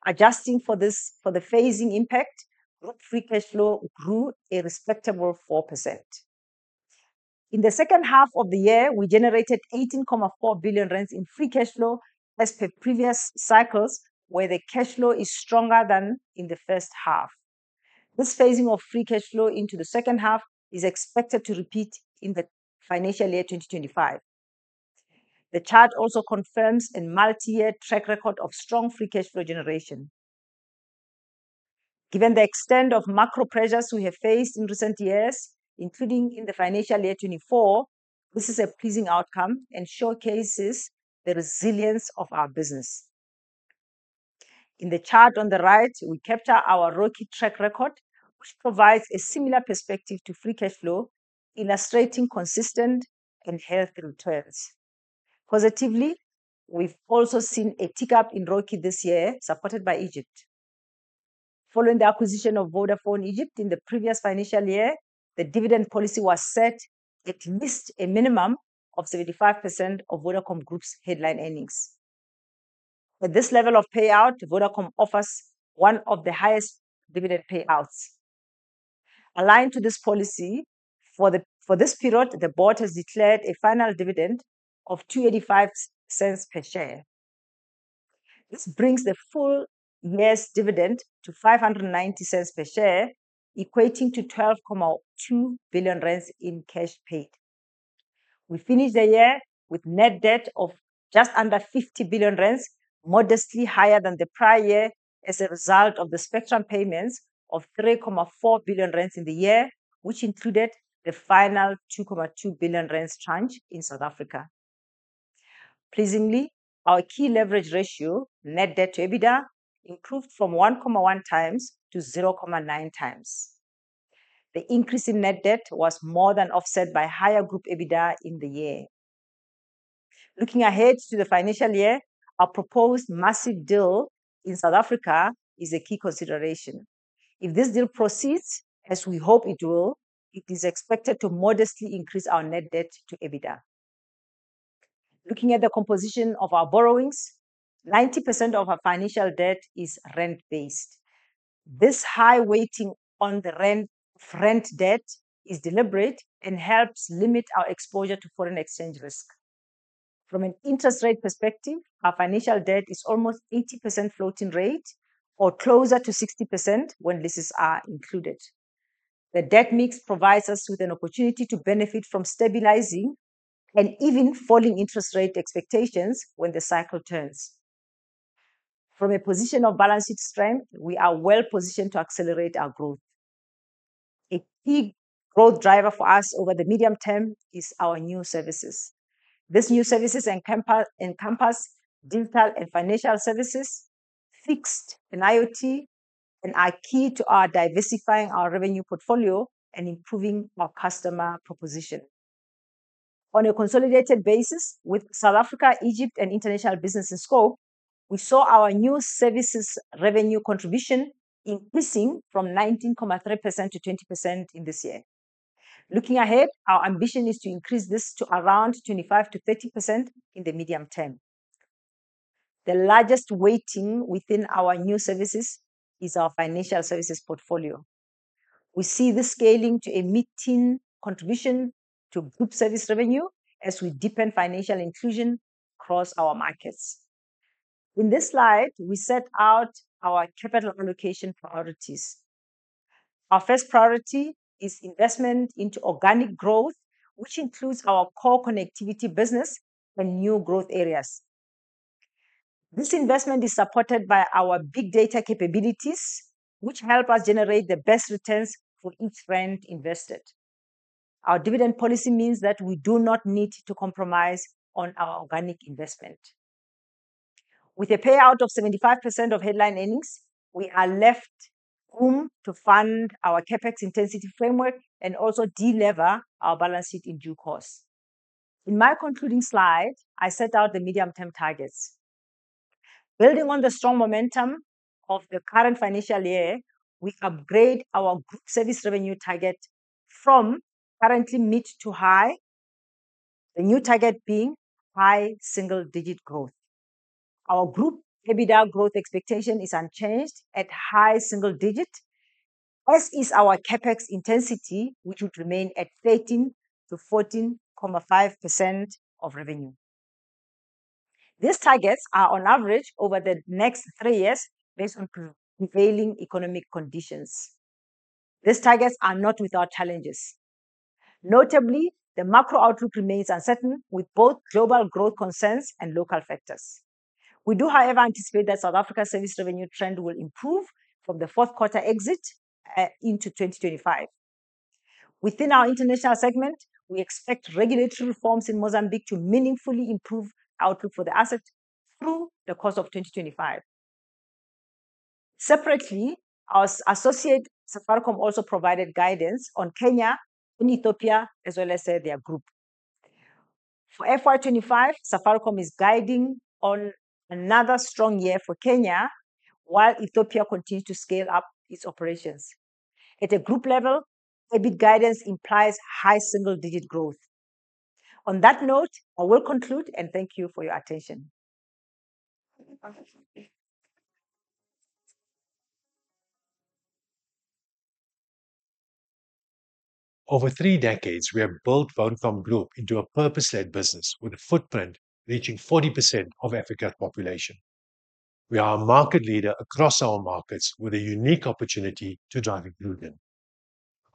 Adjusting for the phasing impact, group Free Cash Flow grew a respectable 4%. In the second half of the year, we generated 18.4 billion rand in Free Cash Flow as per previous cycles, where the cash flow is stronger than in the first half. This phasing of Free Cash Flow into the second half is expected to repeat in the financial year 2025. The chart also confirms a multi-year track record of strong Free Cash Flow generation. Given the extent of macro pressures we have faced in recent years, including in the financial year 2024, this is a pleasing outcome and showcases the resilience of our business. In the chart on the right, we capture our ROCE track record, which provides a similar perspective to Free Cash Flow, illustrating consistent and healthy returns. Positively, we have also seen a tick-up in ROCE this year, supported by Egypt. Following the acquisition of Vodafone Egypt in the previous financial year, the dividend policy was set to at least a minimum of 75% of Vodacom Group's headline earnings. At this level of payout, Vodacom offers one of the highest dividend payouts. Aligned to this policy, for this period, the board has declared a final dividend of 2.85 per share. This brings the full year's dividend to 5.90 per share, equating to 12.2 billion rand in cash paid. We finished the year with net debt of just under 50 billion rand, modestly higher than the prior year as a result of the spectrum payments of 3.4 billion in the year, which included the final 2.2 billion tranche in South Africa. Pleasingly, our key leverage ratio, net debt to EBITDA, improved from 1.1x-0.9x. The increase in net debt was more than offset by higher group EBITDA in the year. Looking ahead to the financial year, our proposed MAZIV deal in South Africa is a key consideration. If this deal proceeds, as we hope it will, it is expected to modestly increase our net debt to EBITDA. Looking at the composition of our borrowings, 90% of our financial debt is rand-based. This high weighting on the rand debt is deliberate and helps limit our exposure to foreign exchange risk. From an interest rate perspective, our financial debt is almost 80% floating rate or closer to 60% when leases are included. The debt mix provides us with an opportunity to benefit from stabilizing and even falling interest rate expectations when the cycle turns. From a position of balanced strength, we are well positioned to accelerate our growth. A key growth driver for us over the medium term is our new services. These new services encompass digital and financial services, fixed, and IoT, and are key to diversifying our revenue portfolio and improving our customer proposition. On a consolidated basis, with South Africa, Egypt, and international business in scope, we saw our new services revenue contribution increasing from 19.3%-20% in this year. Looking ahead, our ambition is to increase this to around 25%-30% in the medium term. The largest weighting within our new services is our financial services portfolio. We see this scaling to a meaningful contribution to group service revenue as we deepen financial inclusion across our markets. In this slide, we set out our capital allocation priorities. Our first priority is investment into organic growth, which includes our core connectivity business and new growth areas. This investment is supported by our Big Data capabilities, which help us generate the best returns for each rand invested. Our dividend policy means that we do not need to compromise on our organic investment. With a payout of 75% of headline earnings, we are left room to fund our CapEx intensity framework and also deliver our balance sheet in due course. In my concluding slide, I set out the medium-term targets. Building on the strong momentum of the current financial year, we upgrade our group service revenue target from currently mid to high, the new target being high single-digit growth. Our group EBITDA growth expectation is unchanged at high single digit, as is our CapEx intensity, which would remain at 13%-14.5% of revenue. These targets are on average over the next three years based on prevailing economic conditions. These targets are not without challenges. Notably, the macro outlook remains uncertain, with both global growth concerns and local factors. We do, however, anticipate that South Africa's service revenue trend will improve from the fourth quarter exit into 2025. Within our international segment, we expect regulatory reforms in Mozambique to meaningfully improve outlook for the asset through the course of 2025. Separately, our associate Safaricom also provided guidance on Kenya, Ethiopia, as well as their group. For FY 2025, Safaricom is guiding on another strong year for Kenya, while Ethiopia continues to scale up its operations. At a group level, EBIT guidance implies high single-digit growth. On that note, I will conclude and thank you for your attention. Over three decades, we have built Vodacom Group into a purpose-led business with a footprint reaching 40% of Africa's population. We are a market leader across our markets with a unique opportunity to drive inclusion.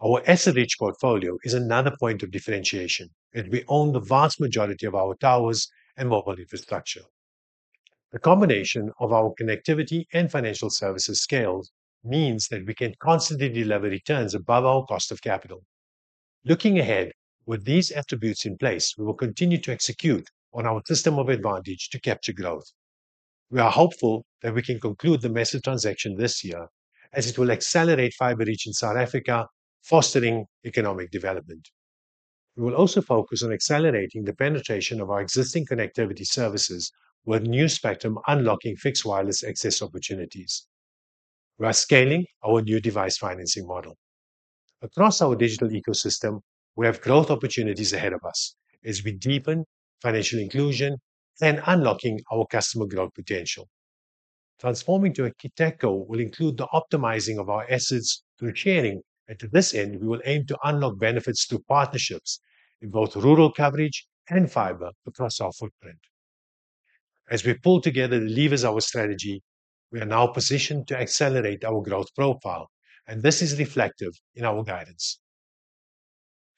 Our asset rich portfolio is another point of differentiation, as we own the vast majority of our towers and mobile infrastructure. The combination of our connectivity and financial services scales means that we can constantly deliver returns above our cost of capital. Looking ahead, with these attributes in place, we will continue to execute on our System of Advantage to capture growth. We are hopeful that we can conclude the massive transaction this year, as it will accelerate fiber reach in South Africa, fostering economic development. We will also focus on accelerating the penetration of our existing connectivity services, with new spectrum unlocking fixed wireless access opportunities. We are scaling our new device financing model. Across our digital ecosystem, we have growth opportunities ahead of us as we deepen financial inclusion and unlock our customer growth potential. Transforming to architecture will include the optimizing of our assets through sharing, and to this end, we will aim to unlock benefits through partnerships in both rural coverage and fiber across our footprint. As we pull together the levers of our strategy, we are now positioned to accelerate our growth profile, and this is reflective in our guidance.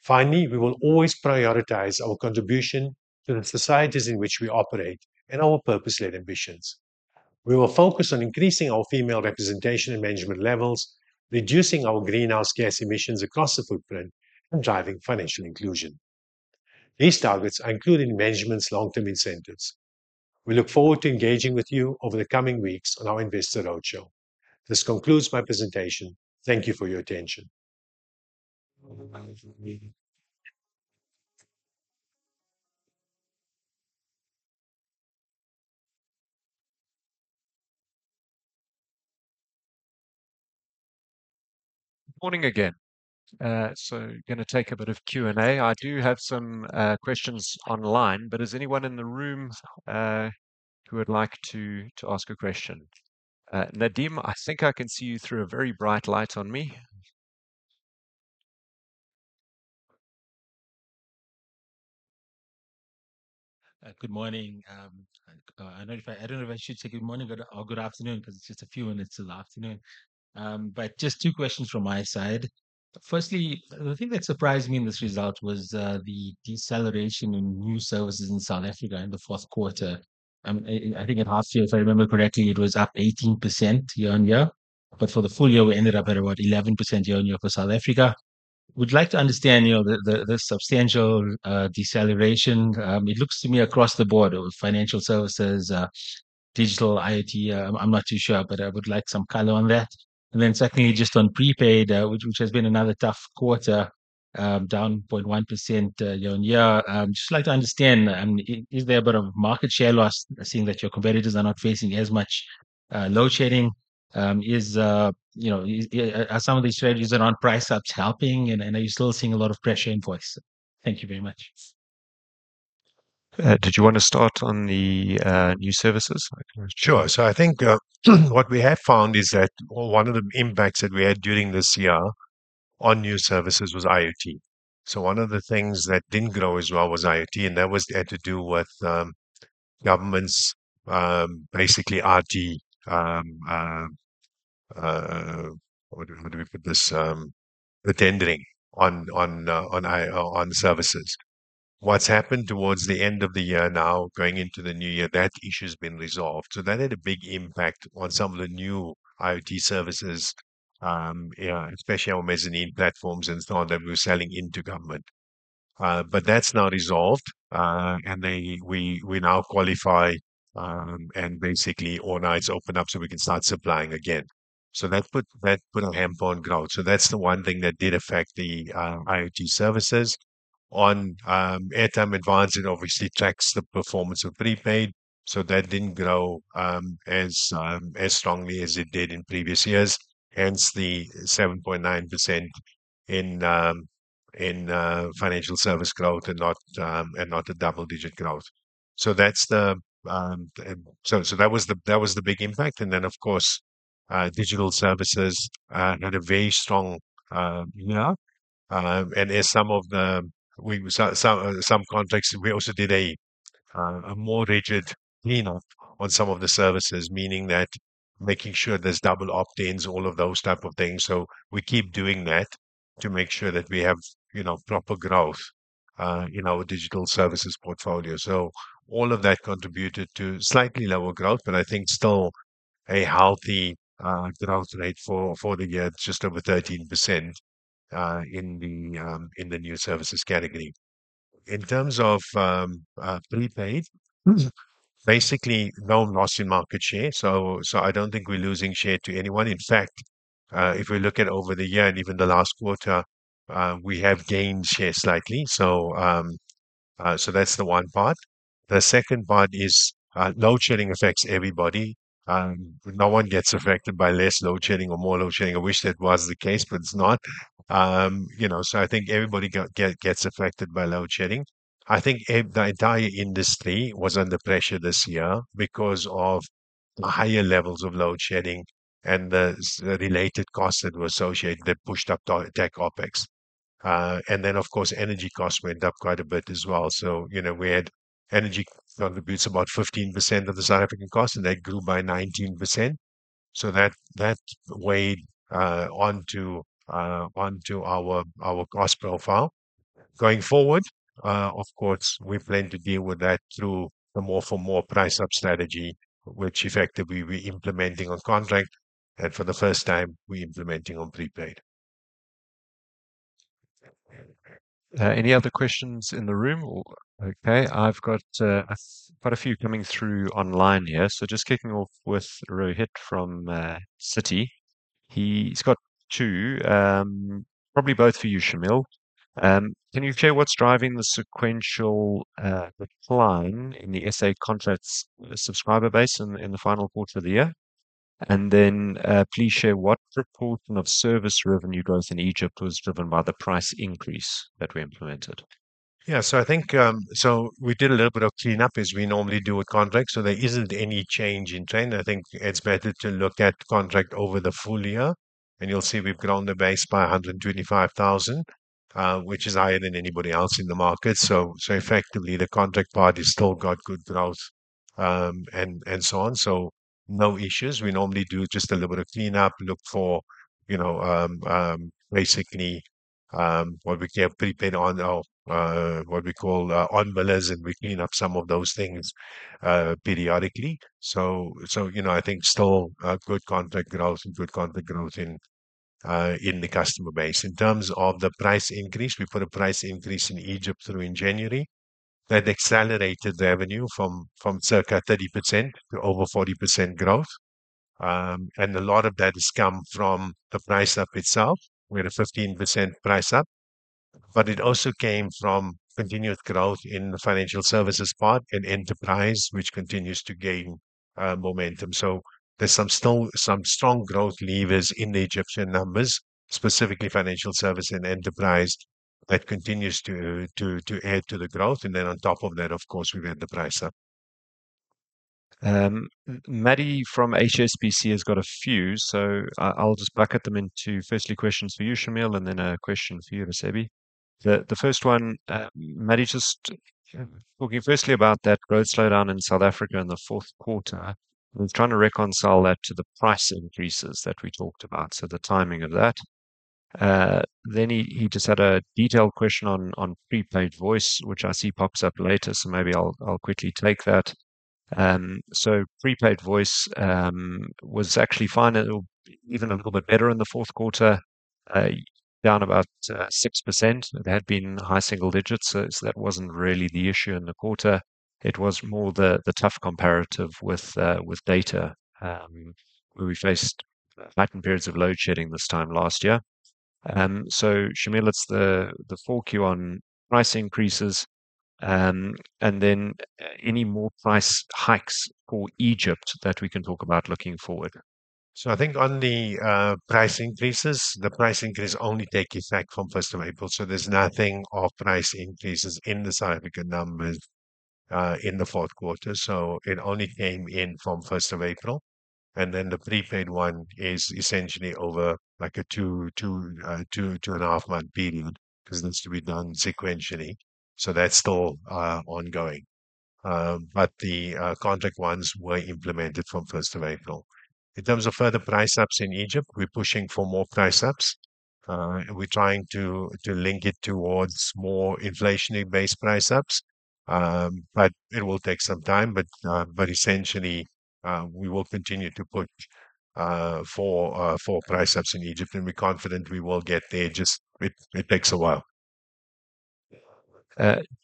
Finally, we will always prioritize our contribution to the societies in which we operate and our purpose-led ambitions. We will focus on increasing our female representation and management levels, reducing our greenhouse gas emissions across the footprint, and driving financial inclusion. These targets are included in management's long-term incentives. We look forward to engaging with you over the coming weeks on our Investor Roadshow. This concludes my presentation. Thank you for your attention. Good morning again. Going to take a bit of Q&A. I do have some questions online, but is anyone in the room who would like to to ask a question? Nadim, I think I can see you through a very bright light on me. Good morning. I don't know if I should say good morning or good afternoon because it's just a few minutes till the afternoon. Just two questions from my side. Firstly, the thing that surprised me in this result was the deceleration in new services in South Africa in the fourth quarter. I think at half year, if I remember correctly, it was up 18% year-on-year, but for the full year, we ended up at about 11% year-on-year for South Africa. I would like to understand, you know, this substantial deceleration. It looks to me across the board: financial services, digital, IoT. I'm not too sure, but I would like some color on that. And then secondly, just on prepaid, which has been another tough quarter, down 0.1% year-on-year. Just like to understand, is there a bit of market share loss seeing that your competitors are not facing as much load shedding? Is, you know, are some of these strategies around price ups helping, and are you still seeing a lot of pressure on voice? Thank you very much. Did you want to start on the new services? Sure. So I think, what we have found is that one of the impacts that we had during this year on new services was IoT. So one of the things that didn't grow as well was IoT, and that had to do with government's, basically RT, what do we put this? the tendering on, on, on services. What's happened towards the end of the year now, going into the new year, that issue has been resolved. So that had a big impact on some of the new IoT services, yeah, especially our Mezzanine platforms and so on that we were selling into government. But that's now resolved, and we now qualify, and basically all lines open up so we can start supplying again. So that put a damper on growth. So that's the one thing that did affect the IoT services. On Airtime Advance, it obviously tracks the performance of prepaid, so that didn't grow as strongly as it did in previous years. Hence the 7.9% in financial services growth and not a double-digit growth. So that was the big impact. And then, of course, digital services had a very strong year. And in some contexts, we also did a more rigid cleanup on some of the services, meaning that making sure there's double opt-ins, all of those types of things. So we keep doing that to make sure that we have, you know, proper growth in our digital services portfolio. So all of that contributed to slightly lower growth, but I think still a healthy growth rate for the year, just over 13%, in the new services category. In terms of prepaid, basically no loss in market share. So, I don't think we're losing share to anyone. In fact, if we look at over the year and even the last quarter, we have gained share slightly. So, that's the one part. The second part is, load shedding affects everybody. No one gets affected by less load shedding or more load shedding. I wish that was the case, but it's not. You know, so I think everybody gets affected by load shedding. I think the entire industry was under pressure this year because of the higher levels of load shedding and the related costs that were associated that pushed up tech OpEx. And then, of course, energy costs went up quite a bit as well. So, you know, we had energy contributes about 15% of the South African cost, and that grew by 19%. So that weighed onto our cost profile. Going forward, of course, we plan to deal with that through the more for more price up strategy, which effectively we're implementing on contract, and for the first time, we're implementing on prepaid. Any other questions in the room? Okay. I've got quite a few coming through online here. So just kicking off with Rohit from Citi. He's got two. Probably both for you, Shameel. Can you share what's driving the sequential decline in the SA contracts subscriber base in the final quarter of the year? And then, please share what proportion of service revenue growth in Egypt was driven by the price increase that we implemented. Yeah. So I think, so we did a little bit of cleanup as we normally do with contracts. So there isn't any change in trend. I think it's better to look at contract over the full year, and you'll see we've grown the base by 125,000, which is higher than anybody else in the market. So, so effectively, the contract party still got good growth, and, and so on. So no issues. We normally do just a little bit of cleanup, look for, you know, basically, what we call prepaid on our, what we call, on-balance, and we clean up some of those things, periodically. So, so, you know, I think still, good contract growth and good contract growth in, in the customer base. In terms of the price increase, we put a price increase in Egypt through in January that accelerated revenue from circa 30% to over 40% growth. A lot of that has come from the price up itself. We had a 15% price up, but it also came from continuous growth in the financial services part and enterprise, which continues to gain momentum. So there's still some strong growth levers in the Egyptian numbers, specifically financial service and enterprise, that continues to add to the growth. On top of that, of course, we've had the price up. Madhav from HSBC has got a few, so I'll just bucket them into firstly questions for you, Shameel, and then a question for you, Raisibe. The first one, Madhav, just talking firstly about that growth slowdown in South Africa in the fourth quarter, and he's trying to reconcile that to the price increases that we talked about. So the timing of that. Then he just had a detailed question on prepaid voice, which I see pops up later, so maybe I'll quickly take that. So prepaid voice was actually fine. It was even a little bit better in the fourth quarter, down about 6%. There had been high single digits, so that wasn't really the issue in the quarter. It was more the tough comparative with data, where we faced heightened periods of load shedding this time last year. Shameel, it's the focus on price increases, and then any more price hikes for Egypt that we can talk about looking forward. So I think on the price increases, the price increase only takes effect from 1st of April. So there's nothing of price increases in the South African numbers in the fourth quarter. So it only came in from 1st of April. And then the prepaid one is essentially over like a two to two and a half month period because it needs to be done sequentially. So that's still ongoing. But the contract ones were implemented from 1st of April. In terms of further price ups in Egypt, we're pushing for more price ups. We're trying to link it towards more inflationary-based price ups. But it will take some time, but essentially, we will continue to push for price ups in Egypt, and we're confident we will get there. Just it takes a while.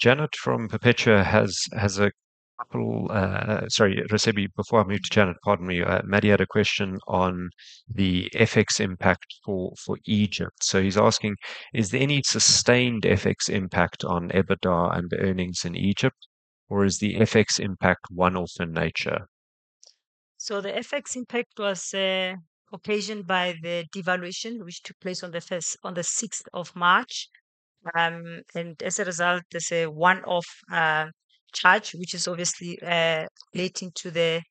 Janet from Perpetua has a couple, sorry, Raisibe, before I move to Janet, pardon me, Maddy had a question on the FX impact for Egypt. So he's asking, is there any sustained FX impact on EBITDA and earnings in Egypt, or is the FX impact one-off in nature? So the FX impact was occasioned by the devaluation, which took place on the 1st of March. And as a result, there's a one-off charge, which is obviously relating to the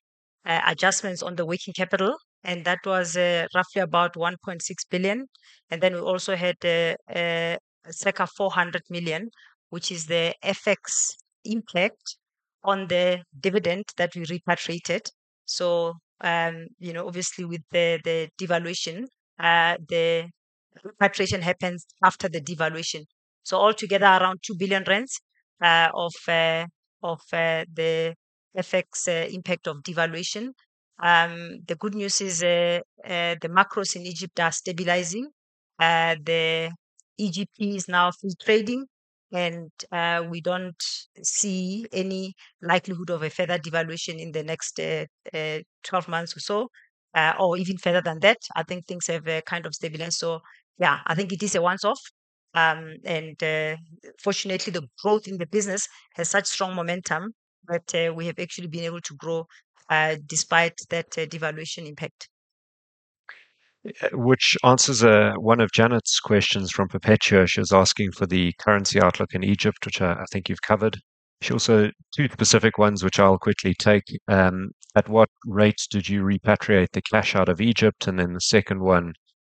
adjustments on the working capital, and that was roughly about 1.6 billion. And then we also had circa 400 million, which is the FX impact on the dividend that we repatriated. So, you know, obviously with the devaluation, the repatriation happens after the devaluation. So altogether around 2 billion rand of the FX impact of devaluation. The good news is, the macros in Egypt are stabilizing. The EGP is now free trading, and we don't see any likelihood of a further devaluation in the next 12 months or so, or even further than that. I think things have kind of stabilized. So yeah, I think it is a once-off. Fortunately, the growth in the business has such strong momentum that we have actually been able to grow, despite that devaluation impact. Which answers one of Janet's questions from Perpetua. She was asking for the currency outlook in Egypt, which I think you've covered. She also took specific ones, which I'll quickly take. At what rate did you repatriate the cash out of Egypt? And then the second one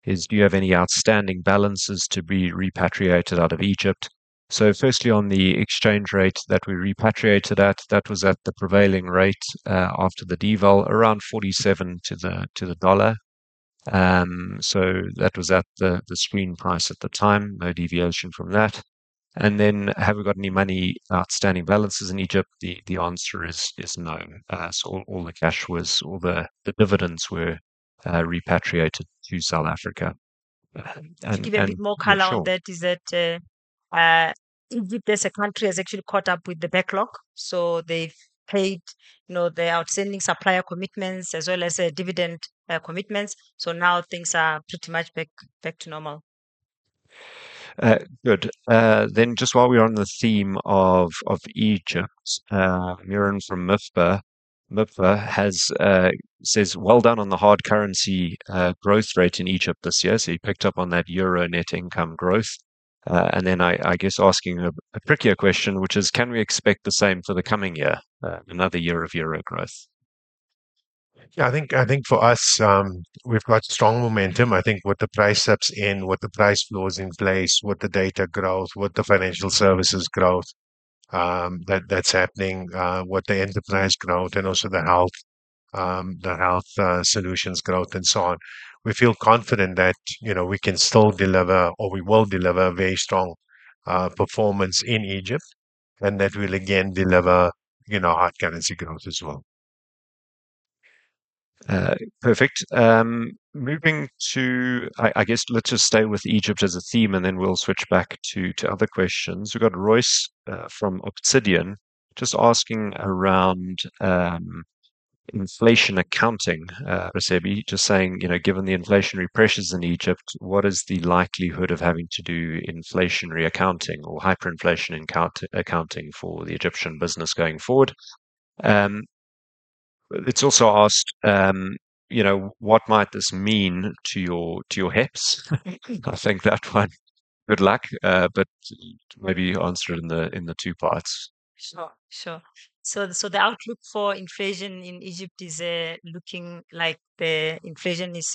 is, do you have any outstanding balances to be repatriated out of Egypt? So firstly, on the exchange rate that we repatriated at, that was at the prevailing rate, after the deval, around 47 to the dollar. So that was at the screen price at the time, no deviation from that. And then have we got any money outstanding balances in Egypt? The answer is no. So all the cash was, all the dividends were, repatriated to South Africa. To give a bit more color on that, Egypt as a country has actually caught up with the backlog. So they've paid, you know, their outstanding supplier commitments as well as dividend commitments. So now things are pretty much back to normal. Good. Then just while we are on the theme of Egypt, Myuran from MIBFA has said, "Well done on the hard currency growth rate in Egypt this year." So he picked up on that euro net income growth. And then I, I guess asking a trickier question, which is, can we expect the same for the coming year, another year of euro growth? Yeah, I think, I think for us, we've got strong momentum. I think with the price ups and with the price flows in place, with the data growth, with the financial services growth that's happening, with the enterprise growth and also the health, the health, solutions growth and so on. We feel confident that, you know, we can still deliver or we will deliver very strong performance in Egypt and that we'll again deliver, you know, hard currency growth as well. Perfect. Moving to, I guess let's just stay with Egypt as a theme, and then we'll switch back to other questions. We've got Royce from Obsidian just asking around inflation accounting. Raisibe, just saying, you know, given the inflationary pressures in Egypt, what is the likelihood of having to do inflationary accounting or hyperinflation accounting for the Egyptian business going forward? It's also asked, you know, what might this mean to your HEPS? I think that one, good luck, but maybe answer it in the two parts. Sure, sure. So, so the outlook for inflation in Egypt is looking like the inflation is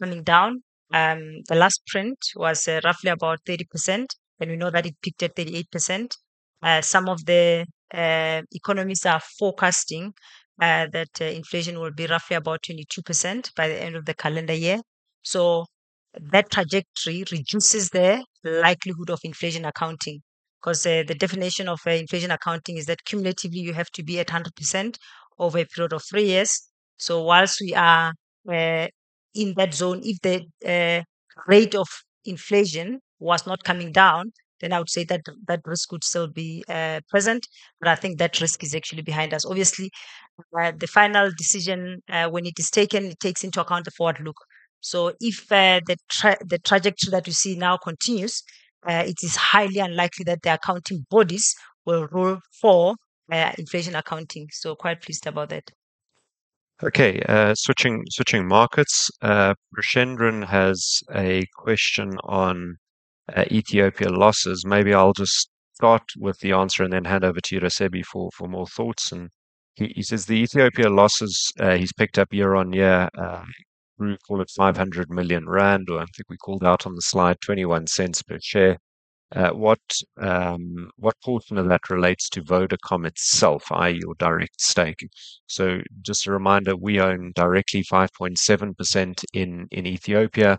coming down. The last print was roughly about 30%, and we know that it peaked at 38%. Some of the economists are forecasting that inflation will be roughly about 22% by the end of the calendar year. So that trajectory reduces the likelihood of inflation accounting because the definition of inflation accounting is that cumulatively you have to be at 100% over a period of three years. So whilst we are in that zone, if the rate of inflation was not coming down, then I would say that that risk would still be present. But I think that risk is actually behind us. Obviously, the final decision, when it is taken, it takes into account the forward look. So if the trajectory that we see now continues, it is highly unlikely that the accounting bodies will rule for inflation accounting. So quite pleased about that. Okay. Switching markets. Preshendran has a question on Ethiopia losses. Maybe I'll just start with the answer and then hand over to you, Raisibe, for more thoughts. He says, the Ethiopia losses, he's picked up year-over-year, grew, call it 500 million rand, or I think we called out on the slide, 0.21 per share. What portion of that relates to Vodacom itself, i.e., your direct stake? So just a reminder, we own directly 5.7% in Ethiopia,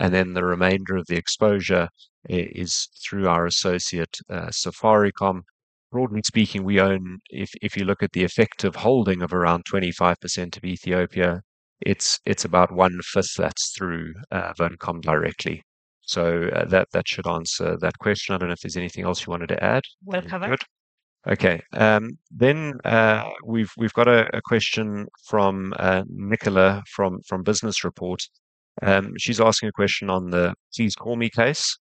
and then the remainder of the exposure is through our associate, Safaricom. Broadly speaking, we own, if you look at the effective holding of around 25% of Ethiopia, it's about one-fifth that's through Vodacom directly. So that should answer that question. I don't know if there's anything else you wanted to add. Well covered. Good. Okay. Then, we've got a question from Nicola from Business Report. She's asking a question on the Please Call Me case.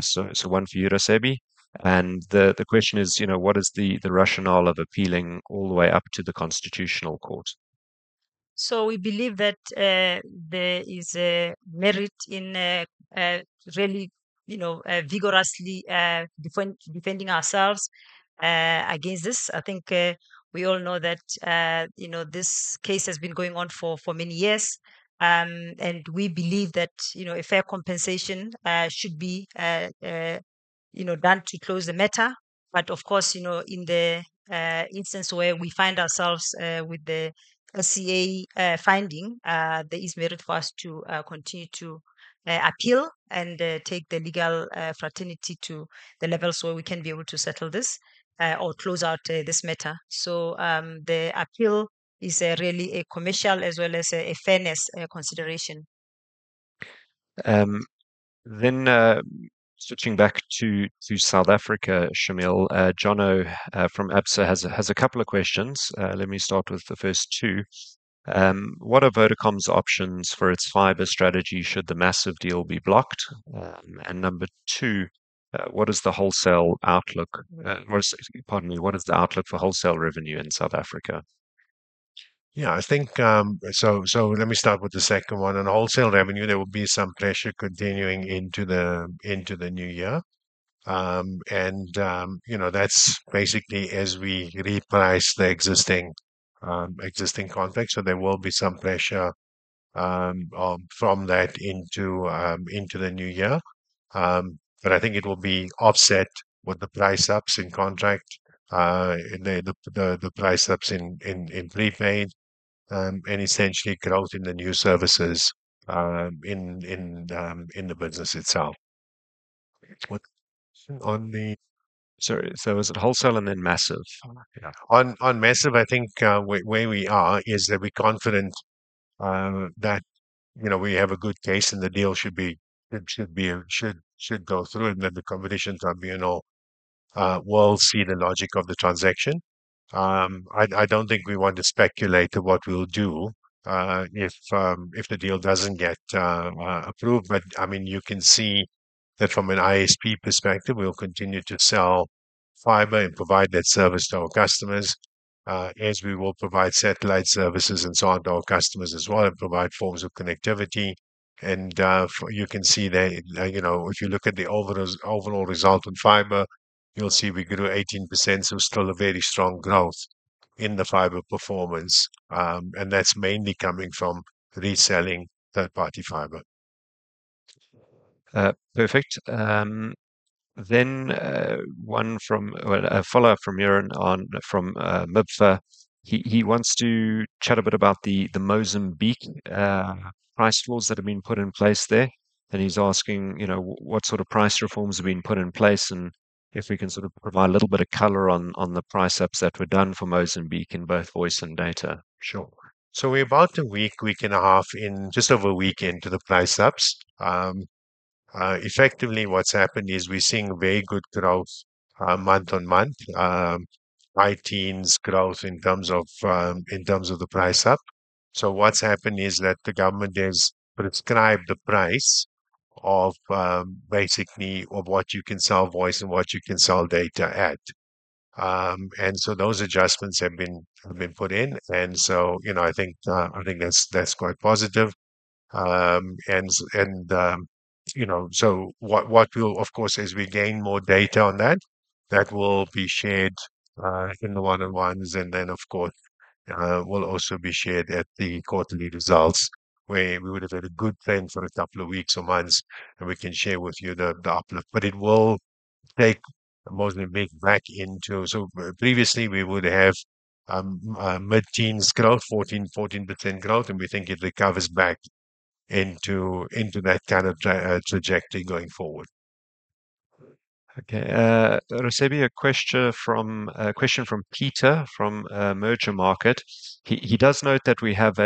So one for you, Raisibe. And the question is, you know, what is the rationale of appealing all the way up to the Constitutional Court? So we believe that there is a merit in really you know vigorously defending ourselves against this. I think we all know that you know this case has been going on for many years. And we believe that you know a fair compensation should be you know done to close the matter. But of course you know in the instance where we find ourselves with the SCA finding there is merit for us to continue to appeal and take the legal fraternity to the levels where we can be able to settle this or close out this matter. So the appeal is really a commercial as well as a fairness consideration. Then, switching back to South Africa, Shameel, Jonathan from Absa has a couple of questions. Let me start with the first two. What are Vodacom's options for its fiber strategy should the massive deal be blocked? And number two, what is the wholesale outlook? Pardon me, what is the outlook for wholesale revenue in South Africa? Yeah, I think, so let me start with the second one. On wholesale revenue, there will be some pressure continuing into the new year. You know, that's basically as we reprice the existing contract. So there will be some pressure from that into the new year. But I think it will be offset with the price ups in contract, the price ups in prepaid, and essentially growth in the new services, in the business itself. Sorry, so was it wholesale and then massive? Yeah, on massive, I think, where we are is that we're confident, that, you know, we have a good case and the deal should be, should go through and that the competition tribunal will see the logic of the transaction. I don't think we want to speculate to what we'll do if the deal doesn't get approved. But I mean, you can see that from an ISP perspective, we'll continue to sell fiber and provide that service to our customers, as we will provide satellite services and so on to our customers as well and provide forms of connectivity. You can see that, you know, if you look at the overall result in fiber, you'll see we grew 18%, so still a very strong growth in the fiber performance, and that's mainly coming from reselling third-party fiber. Perfect. Then, one from, well, a follow-up from Myuran from MIBFA. He wants to chat a bit about the Mozambique price rules that have been put in place there. He's asking, you know, what sort of price reforms have been put in place and if we can sort of provide a little bit of color on the price ups that were done for Mozambique in both voice and data. Sure. So we're about a week, week and a half in, just over a weekend to the price ups. Effectively, what's happened is we're seeing very good growth, month-on-month, high teens growth in terms of, in terms of the price up. So what's happened is that the government has prescribed the price of, basically of what you can sell voice and what you can sell data at. And so those adjustments have been, have been put in. And so, you know, I think, I think that's, that's quite positive. And, and, you know, so what, what will, of course, as we gain more data on that, that will be shared, in the one-on-ones and then, of course, will also be shared at the quarterly results where we would have had a good trend for a couple of weeks or months and we can share with you the uplift. But it will take Mozambique back into, so previously we would have mid-teens growth, 14% growth, and we think it recovers back into, into that kind of trajectory going forward. Okay. Raisibe, a question from Peter from Mergermarket. He does note that we have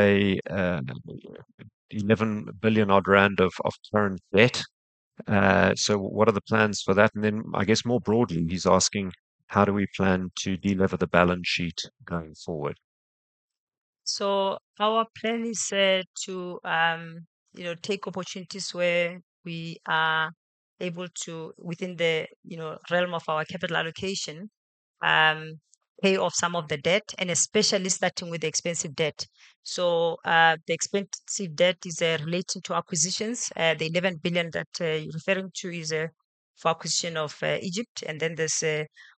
11 billion odd rand of current debt. So what are the plans for that? And then, I guess more broadly, he's asking, how do we plan to deliver the balance sheet going forward? So our plan is to, you know, take opportunities where we are able to, within the, you know, realm of our capital allocation, pay off some of the debt and especially starting with the expensive debt. So, the expensive debt is relating to acquisitions. The 11 billion that you're referring to is for acquisition of Egypt. And then there's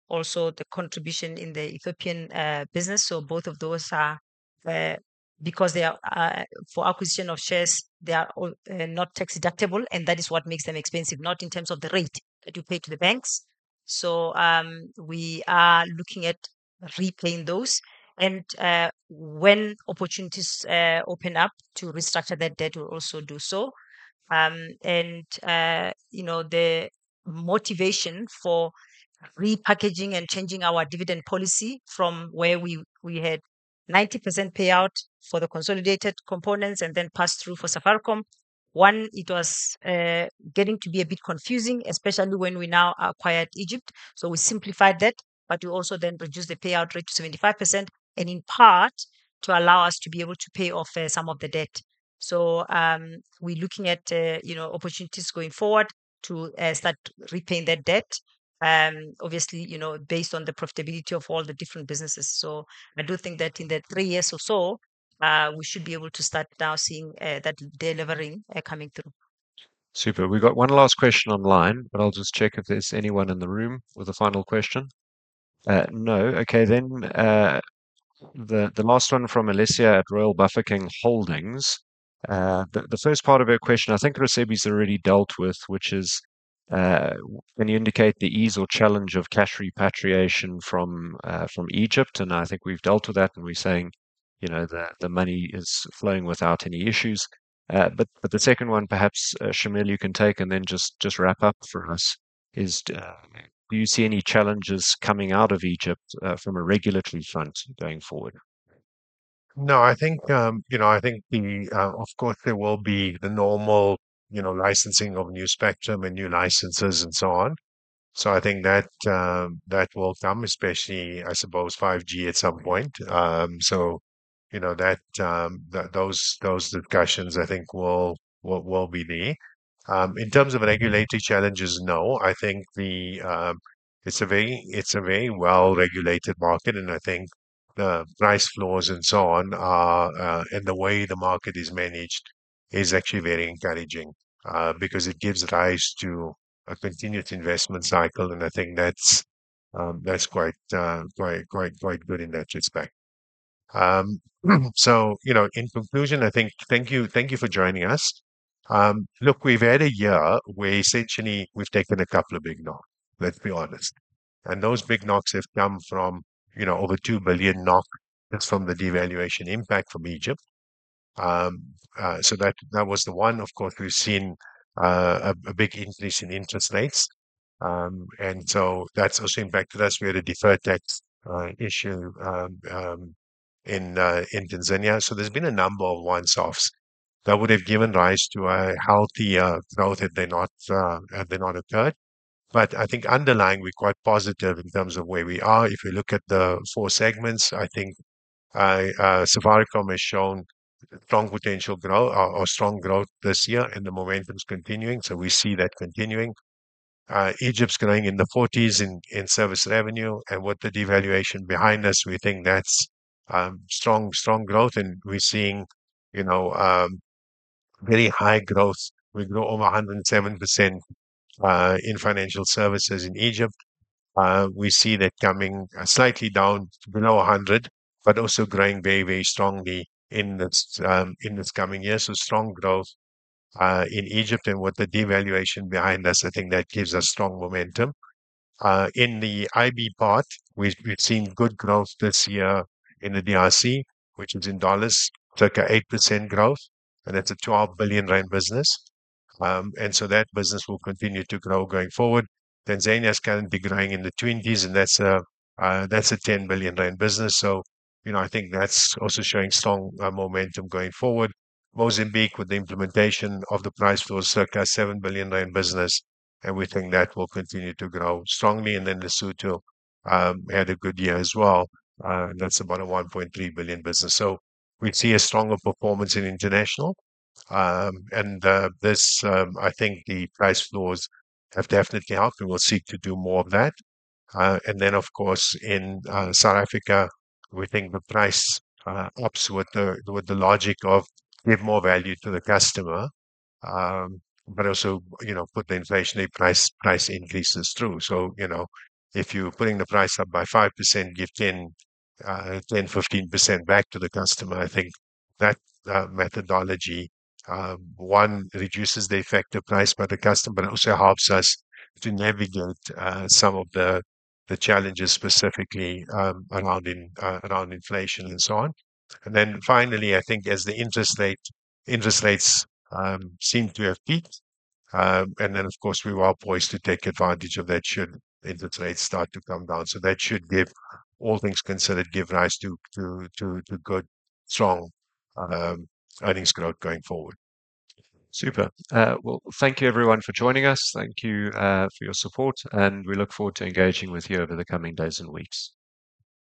also the contribution in the Ethiopian business. So both of those are, because they are, for acquisition of shares, they are not tax deductible and that is what makes them expensive, not in terms of the rate that you pay to the banks. So, we are looking at repaying those. And, when opportunities open up to restructure that debt, we'll also do so. You know, the motivation for repackaging and changing our dividend policy from where we had 90% payout for the consolidated components and then passed through for Safaricom, one, it was, getting to be a bit confusing, especially when we now acquired Egypt. So we simplified that, but we also then reduced the payout rate to 75% and in part to allow us to be able to pay off some of the debt. So, we're looking at, you know, opportunities going forward to, start repaying that debt. Obviously, you know, based on the profitability of all the different businesses. So I do think that in the three years or so, we should be able to start now seeing, that delivery coming through. Super. We've got one last question online, but I'll just check if there's anyone in the room with a final question. No. Okay, then, the last one from Alicia at Royal Bafokeng Holdings. The first part of her question, I think Raisibe's already dealt with, which is, can you indicate the ease or challenge of cash repatriation from, from Egypt? And I think we've dealt with that and we're saying, you know, the money is flowing without any issues. But the second one, perhaps, Shameel, you can take and then just wrap up for us is, do you see any challenges coming out of Egypt from a regulatory front going forward? No, I think, you know, I think, of course there will be the normal, you know, licensing of new spectrum and new licenses and so on. So I think that will come, especially, I suppose, 5G at some point. So, you know, those discussions I think will be there. In terms of regulatory challenges, no. I think it's a very well-regulated market and I think the price floors and so on are and the way the market is managed is actually very encouraging, because it gives rise to a continued investment cycle and I think that's quite good in that respect. So, you know, in conclusion, I think thank you, thank you for joining us. Look, we've had a year where essentially we've taken a couple of big knocks. Let's be honest. Those big knocks have come from, you know, over ZAR 2 billion just from the devaluation impact from Egypt. So that, that was the one. Of course, we've seen a big increase in interest rates, and so that's also impacted us. We had a deferred tax issue in Tanzania. So there's been a number of one-offs that would have given rise to a healthier growth had they not occurred. But I think underlying we're quite positive in terms of where we are. If we look at the four segments, I think Safaricom has shown strong potential growth or strong growth this year and the momentum's continuing. So we see that continuing. Egypt's growing in the 40s% in service revenue and with the devaluation behind us, we think that's strong, strong growth and we're seeing, you know, very high growth. We grew over 107% in financial services in Egypt. We see that coming slightly down below 100%, but also growing very, very strongly in this, in this coming year. So strong growth in Egypt and with the devaluation behind us, I think that gives us strong momentum. In the IB part, we've seen good growth this year in the DRC, which is in dollars, took an 8% growth and that's a 12 billion rand business. And so that business will continue to grow going forward. Tanzania's currently growing in the 20s% and that's a, that's a 10 billion rand business. So, you know, I think that's also showing strong momentum going forward. Mozambique with the implementation of the price floors, circa 7 billion rand business, and we think that will continue to grow strongly. And then Lesotho had a good year as well. That's about a 1.3 billion business. So we see a stronger performance in international. And this, I think, the price floors have definitely helped and we'll seek to do more of that. And then, of course, in South Africa, we think the price ups with the logic of give more value to the customer, but also, you know, put the inflationary price increases through. So, you know, if you're putting the price up by 5%, give 10%-15% back to the customer, I think that methodology one reduces the effective price by the customer, but also helps us to navigate some of the challenges specifically around inflation and so on. And then finally, I think as the interest rates seem to have peaked, and then of course we were all poised to take advantage of that should interest rates start to come down. So that should give, all things considered, give rise to good, strong earnings growth going forward. Super. Well, thank you everyone for joining us. Thank you for your support, and we look forward to engaging with you over the coming days and weeks.